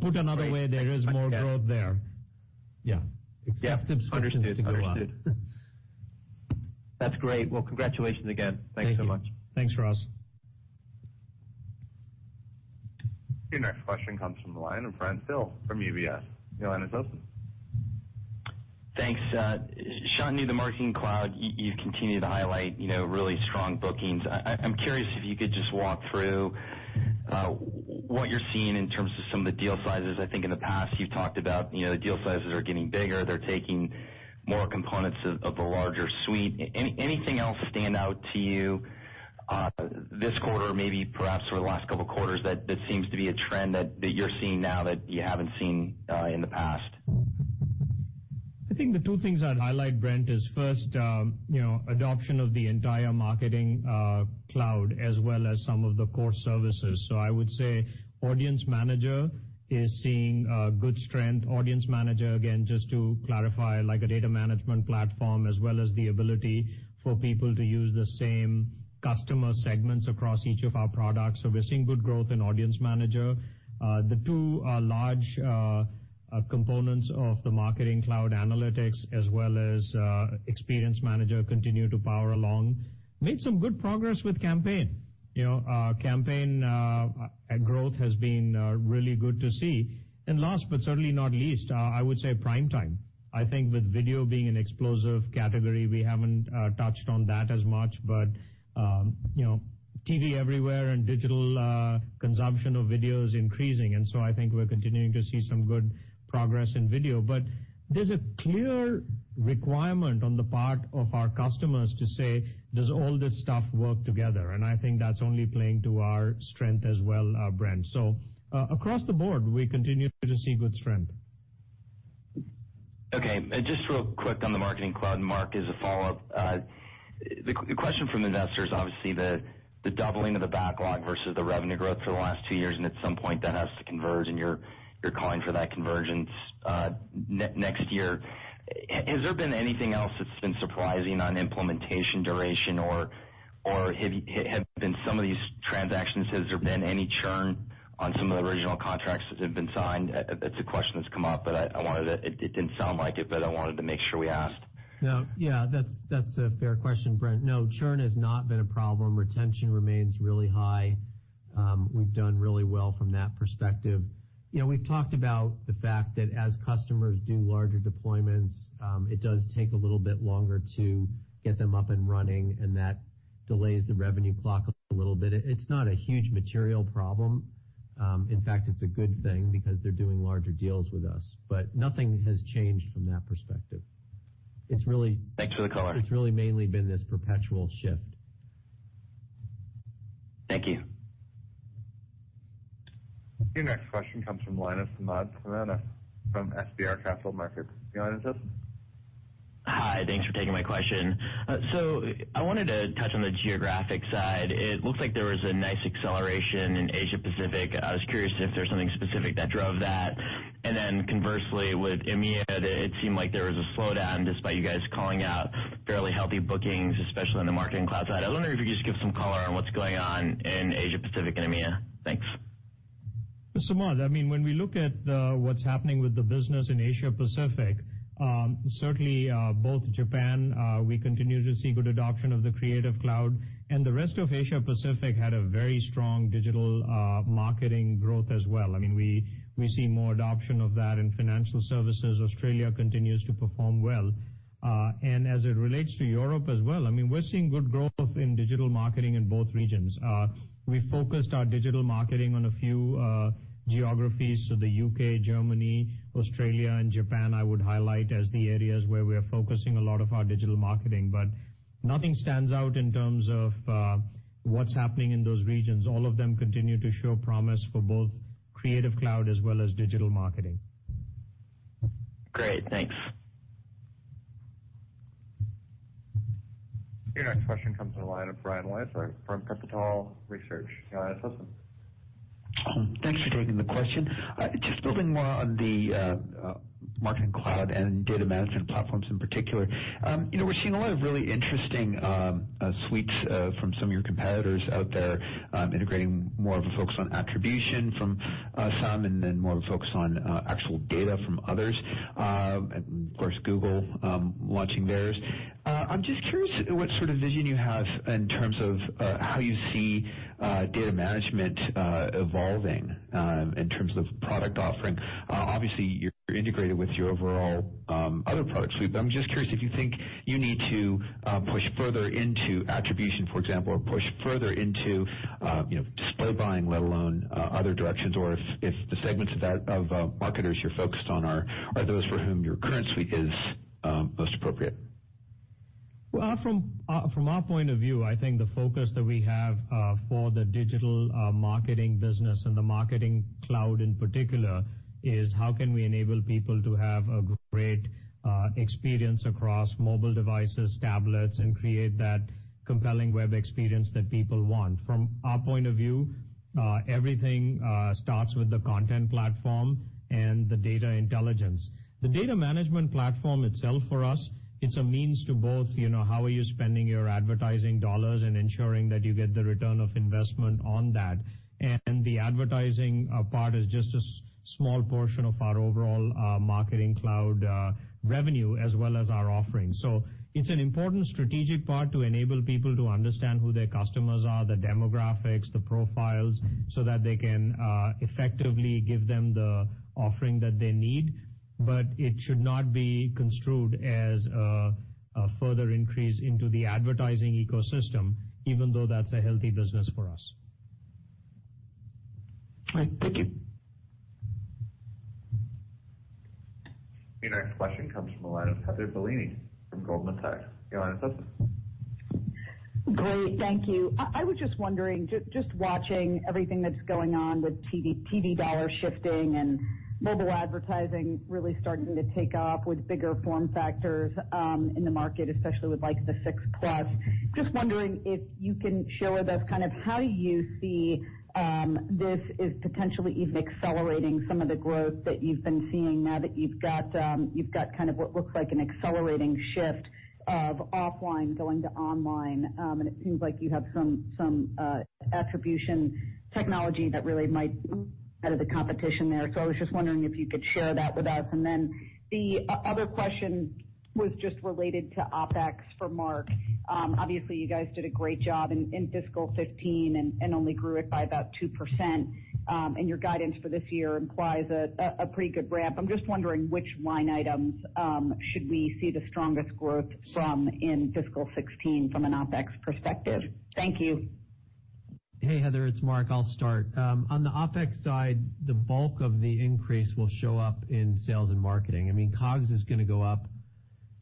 Put another way, there is more growth there. Yeah. Yeah. Understood. Subscriptions to go out. That's great. Well, congratulations again. Thank you. Thanks so much. Thanks, Ross. Your next question comes from the line of Brent Thill from UBS. Your line is open. Thanks. Shantanu, the Adobe Marketing Cloud, you continue to highlight really strong bookings. I'm curious if you could just walk through what you're seeing in terms of some of the deal sizes. I think in the past you've talked about, the deal sizes are getting bigger. They're taking more components of a larger suite. Anything else stand out to you this quarter, maybe perhaps over the last couple of quarters, that seems to be a trend that you're seeing now that you haven't seen in the past? I think the two things I'd highlight, Brent, is first, adoption of the entire Adobe Marketing Cloud, as well as some of the core services. I would say Adobe Audience Manager is seeing good strength. Adobe Audience Manager, again, just to clarify, like a data management platform, as well as the ability for people to use the same customer segments across each of our products. We're seeing good growth in Adobe Audience Manager. The two large components of the Adobe Marketing Cloud, Adobe Analytics, as well as Adobe Experience Manager, continue to power along. Made some good progress with Adobe Campaign. Adobe Campaign growth has been really good to see. Last, but certainly not least, I would say Adobe Primetime. I think with video being an explosive category, we haven't touched on that as much, but TV everywhere and digital consumption of video is increasing. I think we're continuing to see some good progress in video. There's a clear requirement on the part of our customers to say, does all this stuff work together? I think that's only playing to our strength as well, Brent. Across the board, we continue to see good strength. Okay. Just real quick on the Marketing Cloud, Mark, as a follow-up. The question from investors, obviously the doubling of the backlog versus the revenue growth for the last two years, and at some point that has to converge, and you're calling for that convergence next year. Has there been anything else that's been surprising on implementation duration or have some of these transactions, has there been any churn on some of the original contracts that have been signed? It's a question that's come up, it didn't sound like it, but I wanted to make sure we asked. No. Yeah, that's a fair question, Brent. Churn has not been a problem. Retention remains really high. We've done really well from that perspective. We've talked about the fact that as customers do larger deployments, it does take a little bit longer to get them up and running, and that delays the revenue clock a little bit. It's not a huge material problem. In fact, it's a good thing because they're doing larger deals with us. Nothing has changed from that perspective. Thanks for the color. It's really mainly been this perpetual shift. Thank you. Your next question comes from the line of Samad Samana from FBR Capital Markets. Your line is open. Hi. Thanks for taking my question. I wanted to touch on the geographic side. It looks like there was a nice acceleration in Asia-Pacific. I was curious if there's something specific that drove that. Conversely, with EMEA, it seemed like there was a slowdown, despite you guys calling out fairly healthy bookings, especially on the Marketing Cloud side. I wonder if you could just give some color on what's going on in Asia-Pacific and EMEA. Thanks. Samad, when we look at what's happening with the business in Asia-Pacific, certainly both Japan, we continue to see good adoption of the Creative Cloud, and the rest of Asia-Pacific had a very strong digital marketing growth as well. We see more adoption of that in financial services. Australia continues to perform well. As it relates to Europe as well, we're seeing good growth in digital marketing in both regions. We focused our digital marketing on a few geographies. The U.K., Germany, Australia, and Japan, I would highlight as the areas where we are focusing a lot of our digital marketing. Nothing stands out in terms of what's happening in those regions. All of them continue to show promise for both Creative Cloud as well as digital marketing. Great. Thanks. Your next question comes on the line of Brian Wieser from Pivotal Research. Your line is open. Thanks for taking the question. Just building more on the Marketing Cloud and data management platforms in particular. We're seeing a lot of really interesting suites from some of your competitors out there, integrating more of a focus on attribution from some, and then more of a focus on actual data from others. Of course, Google launching theirs. I'm just curious what sort of vision you have in terms of how you see data management evolving in terms of product offering. Obviously, you're integrated with your overall other product suite, but I'm just curious if you think you need to push further into attribution, for example, or push further into display buying, let alone other directions, or if the segments of marketers you're focused on are those for whom your current suite is most appropriate. From our point of view, I think the focus that we have for the digital marketing business and the Marketing Cloud in particular, is how can we enable people to have a great experience across mobile devices, tablets, and create that compelling web experience that people want. From our point of view, everything starts with the content platform and the data intelligence. The data management platform itself, for us, it's a means to both, how are you spending your advertising dollars and ensuring that you get the return on investment on that. The advertising part is just a small portion of our overall Marketing Cloud revenue as well as our offering. It's an important strategic part to enable people to understand who their customers are, the demographics, the profiles, so that they can effectively give them the offering that they need. It should not be construed as a further increase into the advertising ecosystem, even though that's a healthy business for us. All right. Thank you. Your next question comes from the line of Heather Bellini from Goldman Sachs. Your line is open. Great. Thank you. I was just wondering, just watching everything that's going on with TV dollar shifting and mobile advertising really starting to take off with bigger form factors, in the market, especially with like the 6 Plus. Just wondering if you can share with us how you see this is potentially even accelerating some of the growth that you've been seeing now that you've got what looks like an accelerating shift of offline going to online. It seems like you have some attribution technology that really might be ahead of the competition there. I was just wondering if you could share that with us. The other question was just related to OpEx for Mark. Obviously, you guys did a great job in fiscal 2015 and only grew it by about 2%. Your guidance for this year implies a pretty good ramp. I'm just wondering which line items should we see the strongest growth from in fiscal 2016 from an OpEx perspective. Thank you. Hey, Heather, it's Mark. I'll start. On the OpEx side, the bulk of the increase will show up in sales and marketing. COGS is going to go up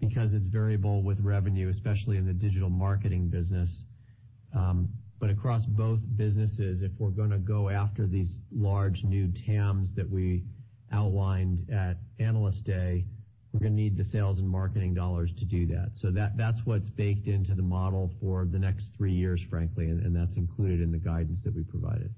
because it's variable with revenue, especially in the digital marketing business. Across both businesses, if we're going to go after these large new TAMs that we outlined at Analyst Day, we're going to need the sales and marketing dollars to do that. That's what's baked into the model for the next three years, frankly, and that's included in the guidance that we provided.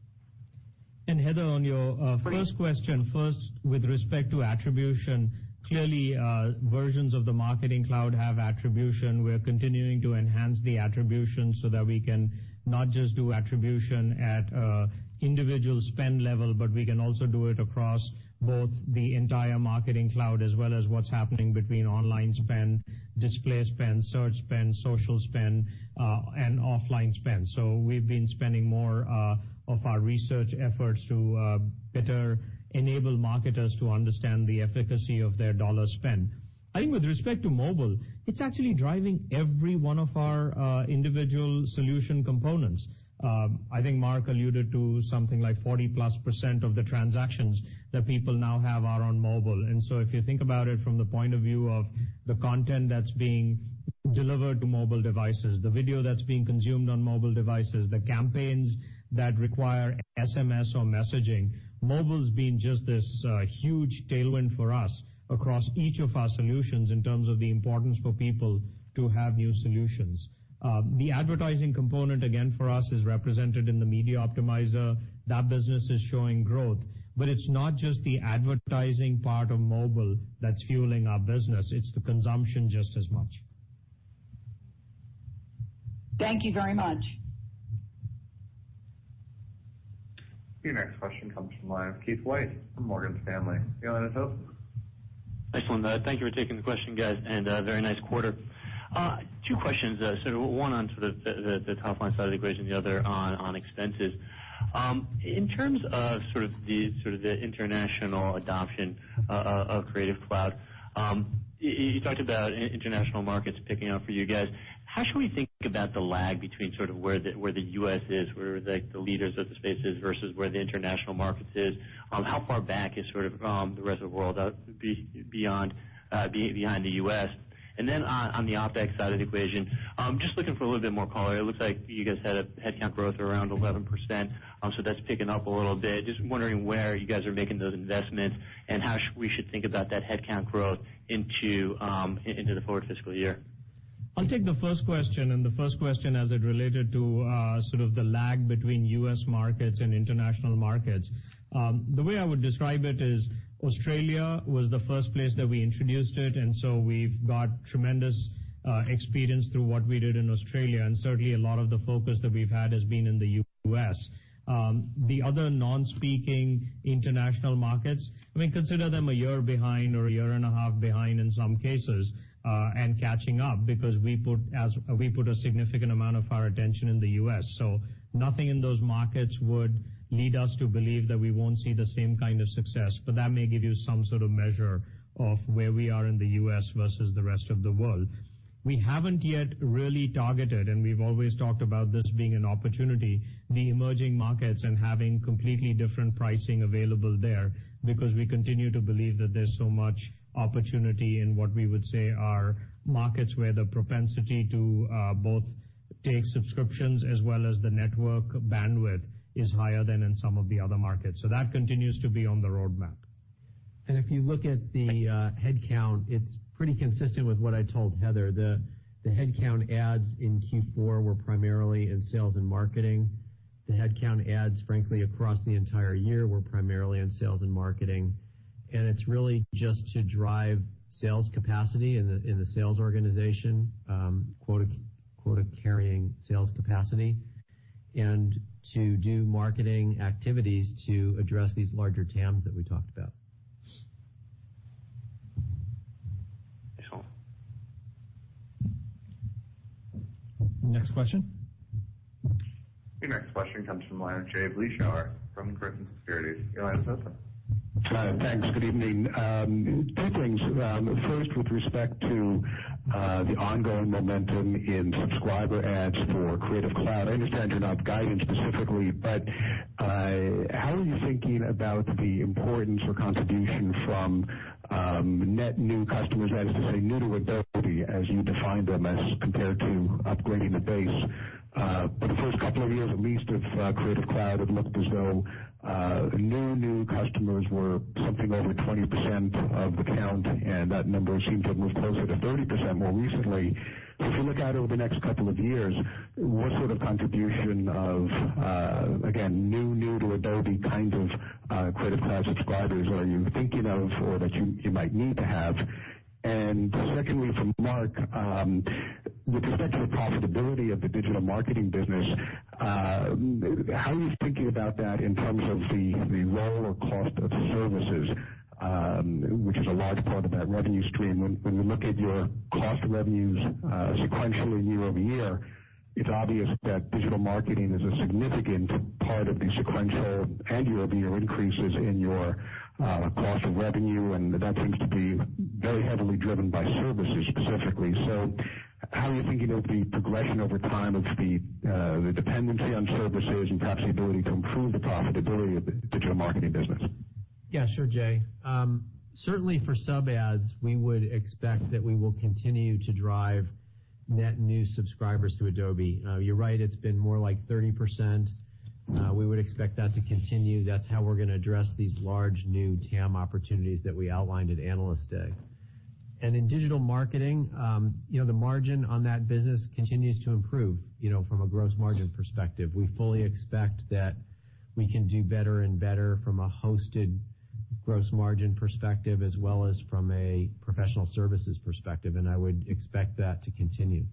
Heather, on your first question, first with respect to attribution, clearly, versions of the Marketing Cloud have attribution. We're continuing to enhance the attribution so that we can not just do attribution at individual spend level, but we can also do it across both the entire Marketing Cloud as well as what's happening between online spend, display spend, search spend, social spend, and offline spend. We've been spending more of our research efforts to better enable marketers to understand the efficacy of their dollar spend. I think with respect to mobile, it's actually driving every one of our individual solution components. I think Mark alluded to something like 40-plus% of the transactions that people now have are on mobile. If you think about it from the point of view of the content that's being delivered to mobile devices, the video that's being consumed on mobile devices, the campaigns that require SMS or messaging, mobile's been just this huge tailwind for us across each of our solutions in terms of the importance for people to have new solutions. The advertising component, again, for us, is represented in the Adobe Media Optimizer. That business is showing growth. It's not just the advertising part of mobile that's fueling our business, it's the consumption just as much. Thank you very much. Your next question comes from the line of Keith Weiss from Morgan Stanley. Your line is open. Excellent. Thank you for taking the question, guys, and very nice quarter. Two questions. One on sort of the top-line side of the equation, the other on expenses. In terms of the international adoption of Creative Cloud, you talked about international markets picking up for you guys. How should we think about the lag between where the U.S. is, where the leaders of the space is versus where the international markets is? How far back is the rest of the world behind the U.S.? On the OpEx side of the equation, just looking for a little bit more color. It looks like you guys had a headcount growth around 11%, so that's picking up a little bit. Just wondering where you guys are making those investments and how we should think about that headcount growth into the forward fiscal year. I'll take the first question. The first question as it related to sort of the lag between U.S. markets and international markets. The way I would describe it is Australia was the first place that we introduced it. We've got tremendous experience through what we did in Australia, and certainly a lot of the focus that we've had has been in the U.S. The other non-speaking international markets, consider them a year behind or a year and a half behind in some cases, catching up because we put a significant amount of our attention in the U.S. Nothing in those markets would lead us to believe that we won't see the same kind of success, but that may give you some sort of measure of where we are in the U.S. versus the rest of the world. We haven't yet really targeted. We've always talked about this being an opportunity, the emerging markets and having completely different pricing available there because we continue to believe that there's so much opportunity in what we would say are markets where the propensity to both take subscriptions as well as the network bandwidth is higher than in some of the other markets. That continues to be on the roadmap. If you look at the headcount, it's pretty consistent with what I told Heather. The headcount adds in Q4 were primarily in sales and marketing. The headcount adds, frankly, across the entire year were primarily in sales and marketing. It's really just to drive sales capacity in the sales organization, quota-carrying sales capacity, and to do marketing activities to address these larger TAMs that we talked about. Yeah. Next question. Your next question comes from the line of Jay Vleeschhouwer from Griffin Securities. Your line is open. Thanks. Good evening. Two things. First, with respect to the ongoing momentum in subscriber adds for Creative Cloud, I understand you're not guiding specifically, but how are you thinking about the importance or contribution from net new customers adds to, say, new to Adobe, as you defined them as compared to upgrading the base? For the first couple of years, at least, of Creative Cloud, it looked as though new-new customers were something over 20% of the count, and that number seems to have moved closer to 30% more recently. As you look out over the next couple of years, what sort of contribution of, again, new-new to Adobe kind of Creative Cloud subscribers are you thinking of or that you might need to have? Secondly, for Mark, with respect to the profitability of the digital marketing business, how are you thinking about that in terms of the role or cost of services, which is a large part of that revenue stream? When we look at your cost revenues sequentially year-over-year, it's obvious that digital marketing is a significant part of the sequential and year-over-year increases in your cost of revenue, and that seems to be very heavily driven by services specifically. How are you thinking about the progression over time of the dependency on services and perhaps the ability to improve the profitability of the digital marketing business? Yeah, sure, Jay. Certainly for sub adds, we would expect that we will continue to drive net new subscribers to Adobe. You're right, it's been more like 30%. We would expect that to continue. That's how we're going to address these large new TAM opportunities that we outlined at Analyst Day. In digital marketing, the margin on that business continues to improve from a gross margin perspective. We fully expect that we can do better and better from a hosted gross margin perspective as well as from a professional services perspective, I would expect that to continue.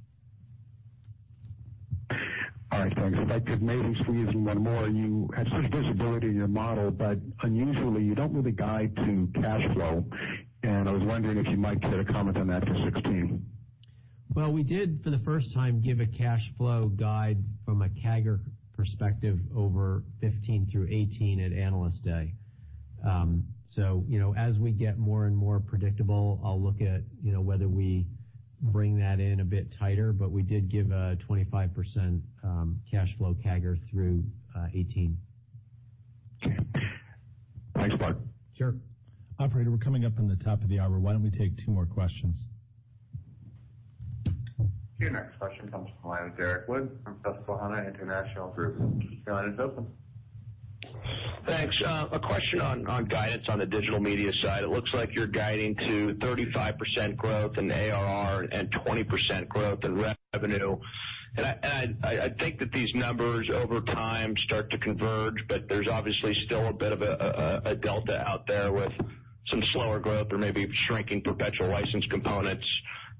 All right, thanks. If I could maybe squeeze in one more. You have such visibility in your model, but unusually, you don't really guide to cash flow, and I was wondering if you might care to comment on that for 2016. Well, we did, for the first time, give a cash flow guide from a CAGR perspective over 2015 through 2018 at Analyst Day. As we get more and more predictable, I'll look at whether we bring that in a bit tighter, but we did give a 25% cash flow CAGR through 2018. Okay. Thanks, Mark. Sure. Operator, we're coming up on the top of the hour. Why don't we take two more questions? Your next question comes from the line of Derrick Wood from Susquehanna International Group. Your line is open. Thanks. A question on guidance on the digital media side. It looks like you're guiding to 35% growth in ARR and 20% growth in revenue. I think that these numbers over time start to converge, but there's obviously still a bit of a delta out there with some slower growth or maybe shrinking perpetual license components.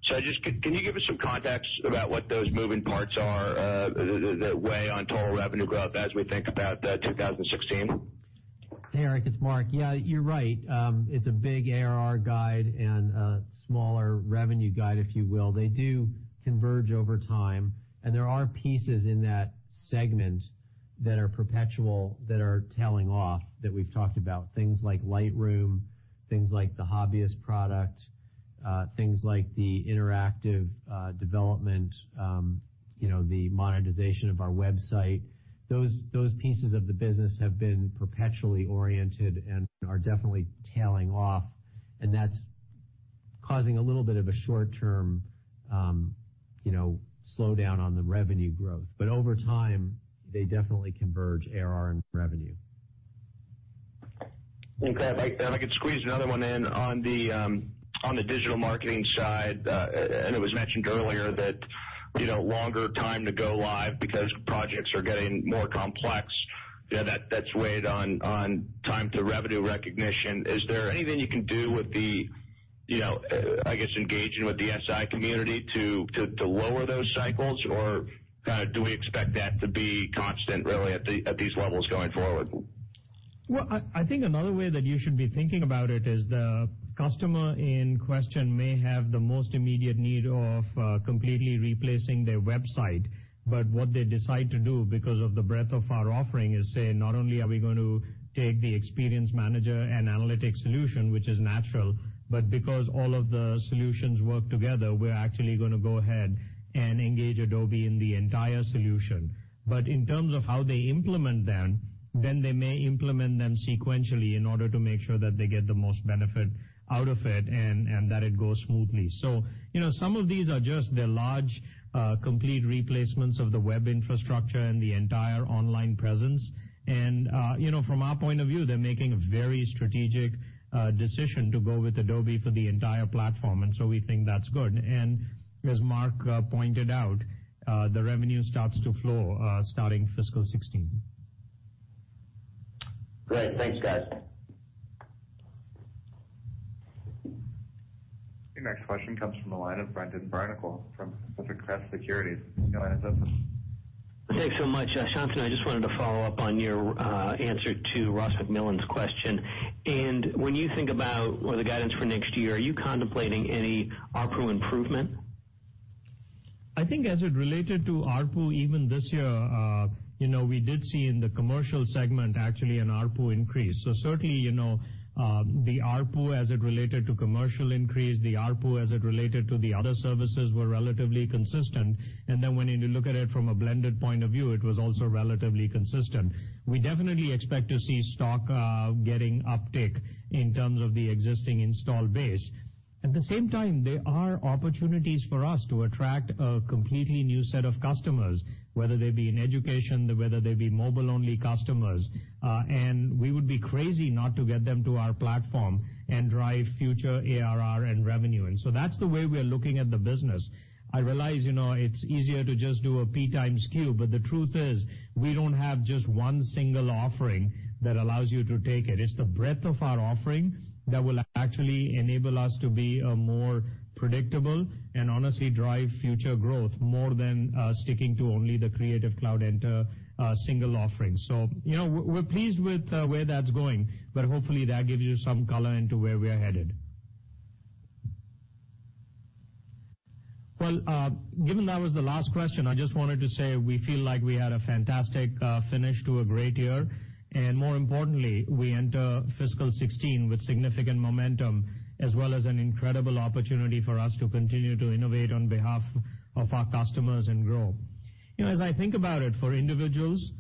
Just, can you give us some context about what those moving parts are that weigh on total revenue growth as we think about 2016? Hey, Eric, it's Mark. Yeah, you're right. It's a big ARR guide and a smaller revenue guide, if you will. They do converge over time, there are pieces in that segment that are perpetual that are tailing off that we've talked about. Things like Lightroom, things like the hobbyist product, things like the interactive development, the monetization of our website. Those pieces of the business have been perpetually oriented and are definitely tailing off, and that's causing a little bit of a short-term slowdown on the revenue growth. Over time, they definitely converge ARR and revenue. Okay. If I could squeeze another one in on the digital marketing side, it was mentioned earlier that longer time to go live because projects are getting more complex. That's weighed on time to revenue recognition. Is there anything you can do with the, I guess, engaging with the SI community to lower those cycles? Or do we expect that to be constant really at these levels going forward? I think another way that you should be thinking about it is the customer in question may have the most immediate need of completely replacing their website. What they decide to do, because of the breadth of our offering, is say, "Not only are we going to take the Experience Manager and Analytics solution, which is natural, but because all of the solutions work together, we're actually going to go ahead and engage Adobe in the entire solution." In terms of how they implement them, they may implement them sequentially in order to make sure that they get the most benefit out of it and that it goes smoothly. Some of these are just the large, complete replacements of the web infrastructure and the entire online presence. From our point of view, they're making a very strategic decision to go with Adobe for the entire platform. We think that's good. As Mark pointed out, the revenue starts to flow starting fiscal 2016. Great. Thanks, guys. Your next question comes from the line of Brendan Barnicle from Pacific Crest Securities. Your line is open. Thanks so much. Shantanu, I just wanted to follow up on your answer to Ross MacMillan's question. When you think about the guidance for next year, are you contemplating any ARPU improvement? I think as it related to ARPU, even this year, we did see in the commercial segment, actually, an ARPU increase. Certainly, the ARPU as it related to commercial increase, the ARPU as it related to the other services were relatively consistent. When you look at it from a blended point of view, it was also relatively consistent. We definitely expect to see stock getting uptick in terms of the existing install base. At the same time, there are opportunities for us to attract a completely new set of customers, whether they be in education, whether they be mobile-only customers. We would be crazy not to get them to our platform and drive future ARR and revenue. That's the way we are looking at the business. I realize it's easier to just do a P times Q, but the truth is, we don't have just one single offering that allows you to take it. It's the breadth of our offering that will actually enable us to be more predictable and honestly drive future growth more than sticking to only the Creative Cloud single offering. We're pleased with where that's going, but hopefully, that gives you some color into where we are headed. Well, given that was the last question, I just wanted to say we feel like we had a fantastic finish to a great year. More importantly, we enter fiscal 2016 with significant momentum as well as an incredible opportunity for us to continue to innovate on behalf of our customers and grow. As I think about it, for individuals,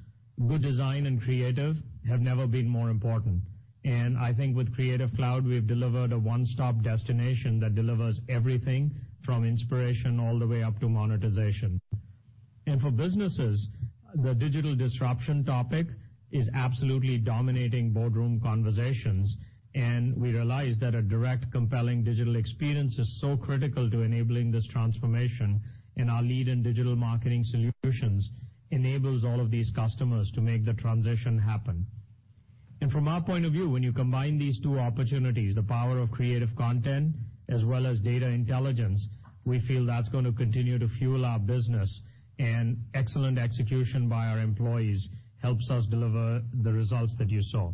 good design and creative have never been more important. I think with Creative Cloud, we've delivered a one-stop destination that delivers everything from inspiration all the way up to monetization. For businesses, the digital disruption topic is absolutely dominating boardroom conversations, we realize that a direct, compelling digital experience is so critical to enabling this transformation, our lead in digital marketing solutions enables all of these customers to make the transition happen. From our point of view, when you combine these two opportunities, the power of creative content as well as data intelligence, we feel that's going to continue to fuel our business, excellent execution by our employees helps us deliver the results that you saw.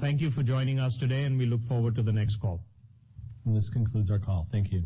Thank you for joining us today, we look forward to the next call. This concludes our call. Thank you.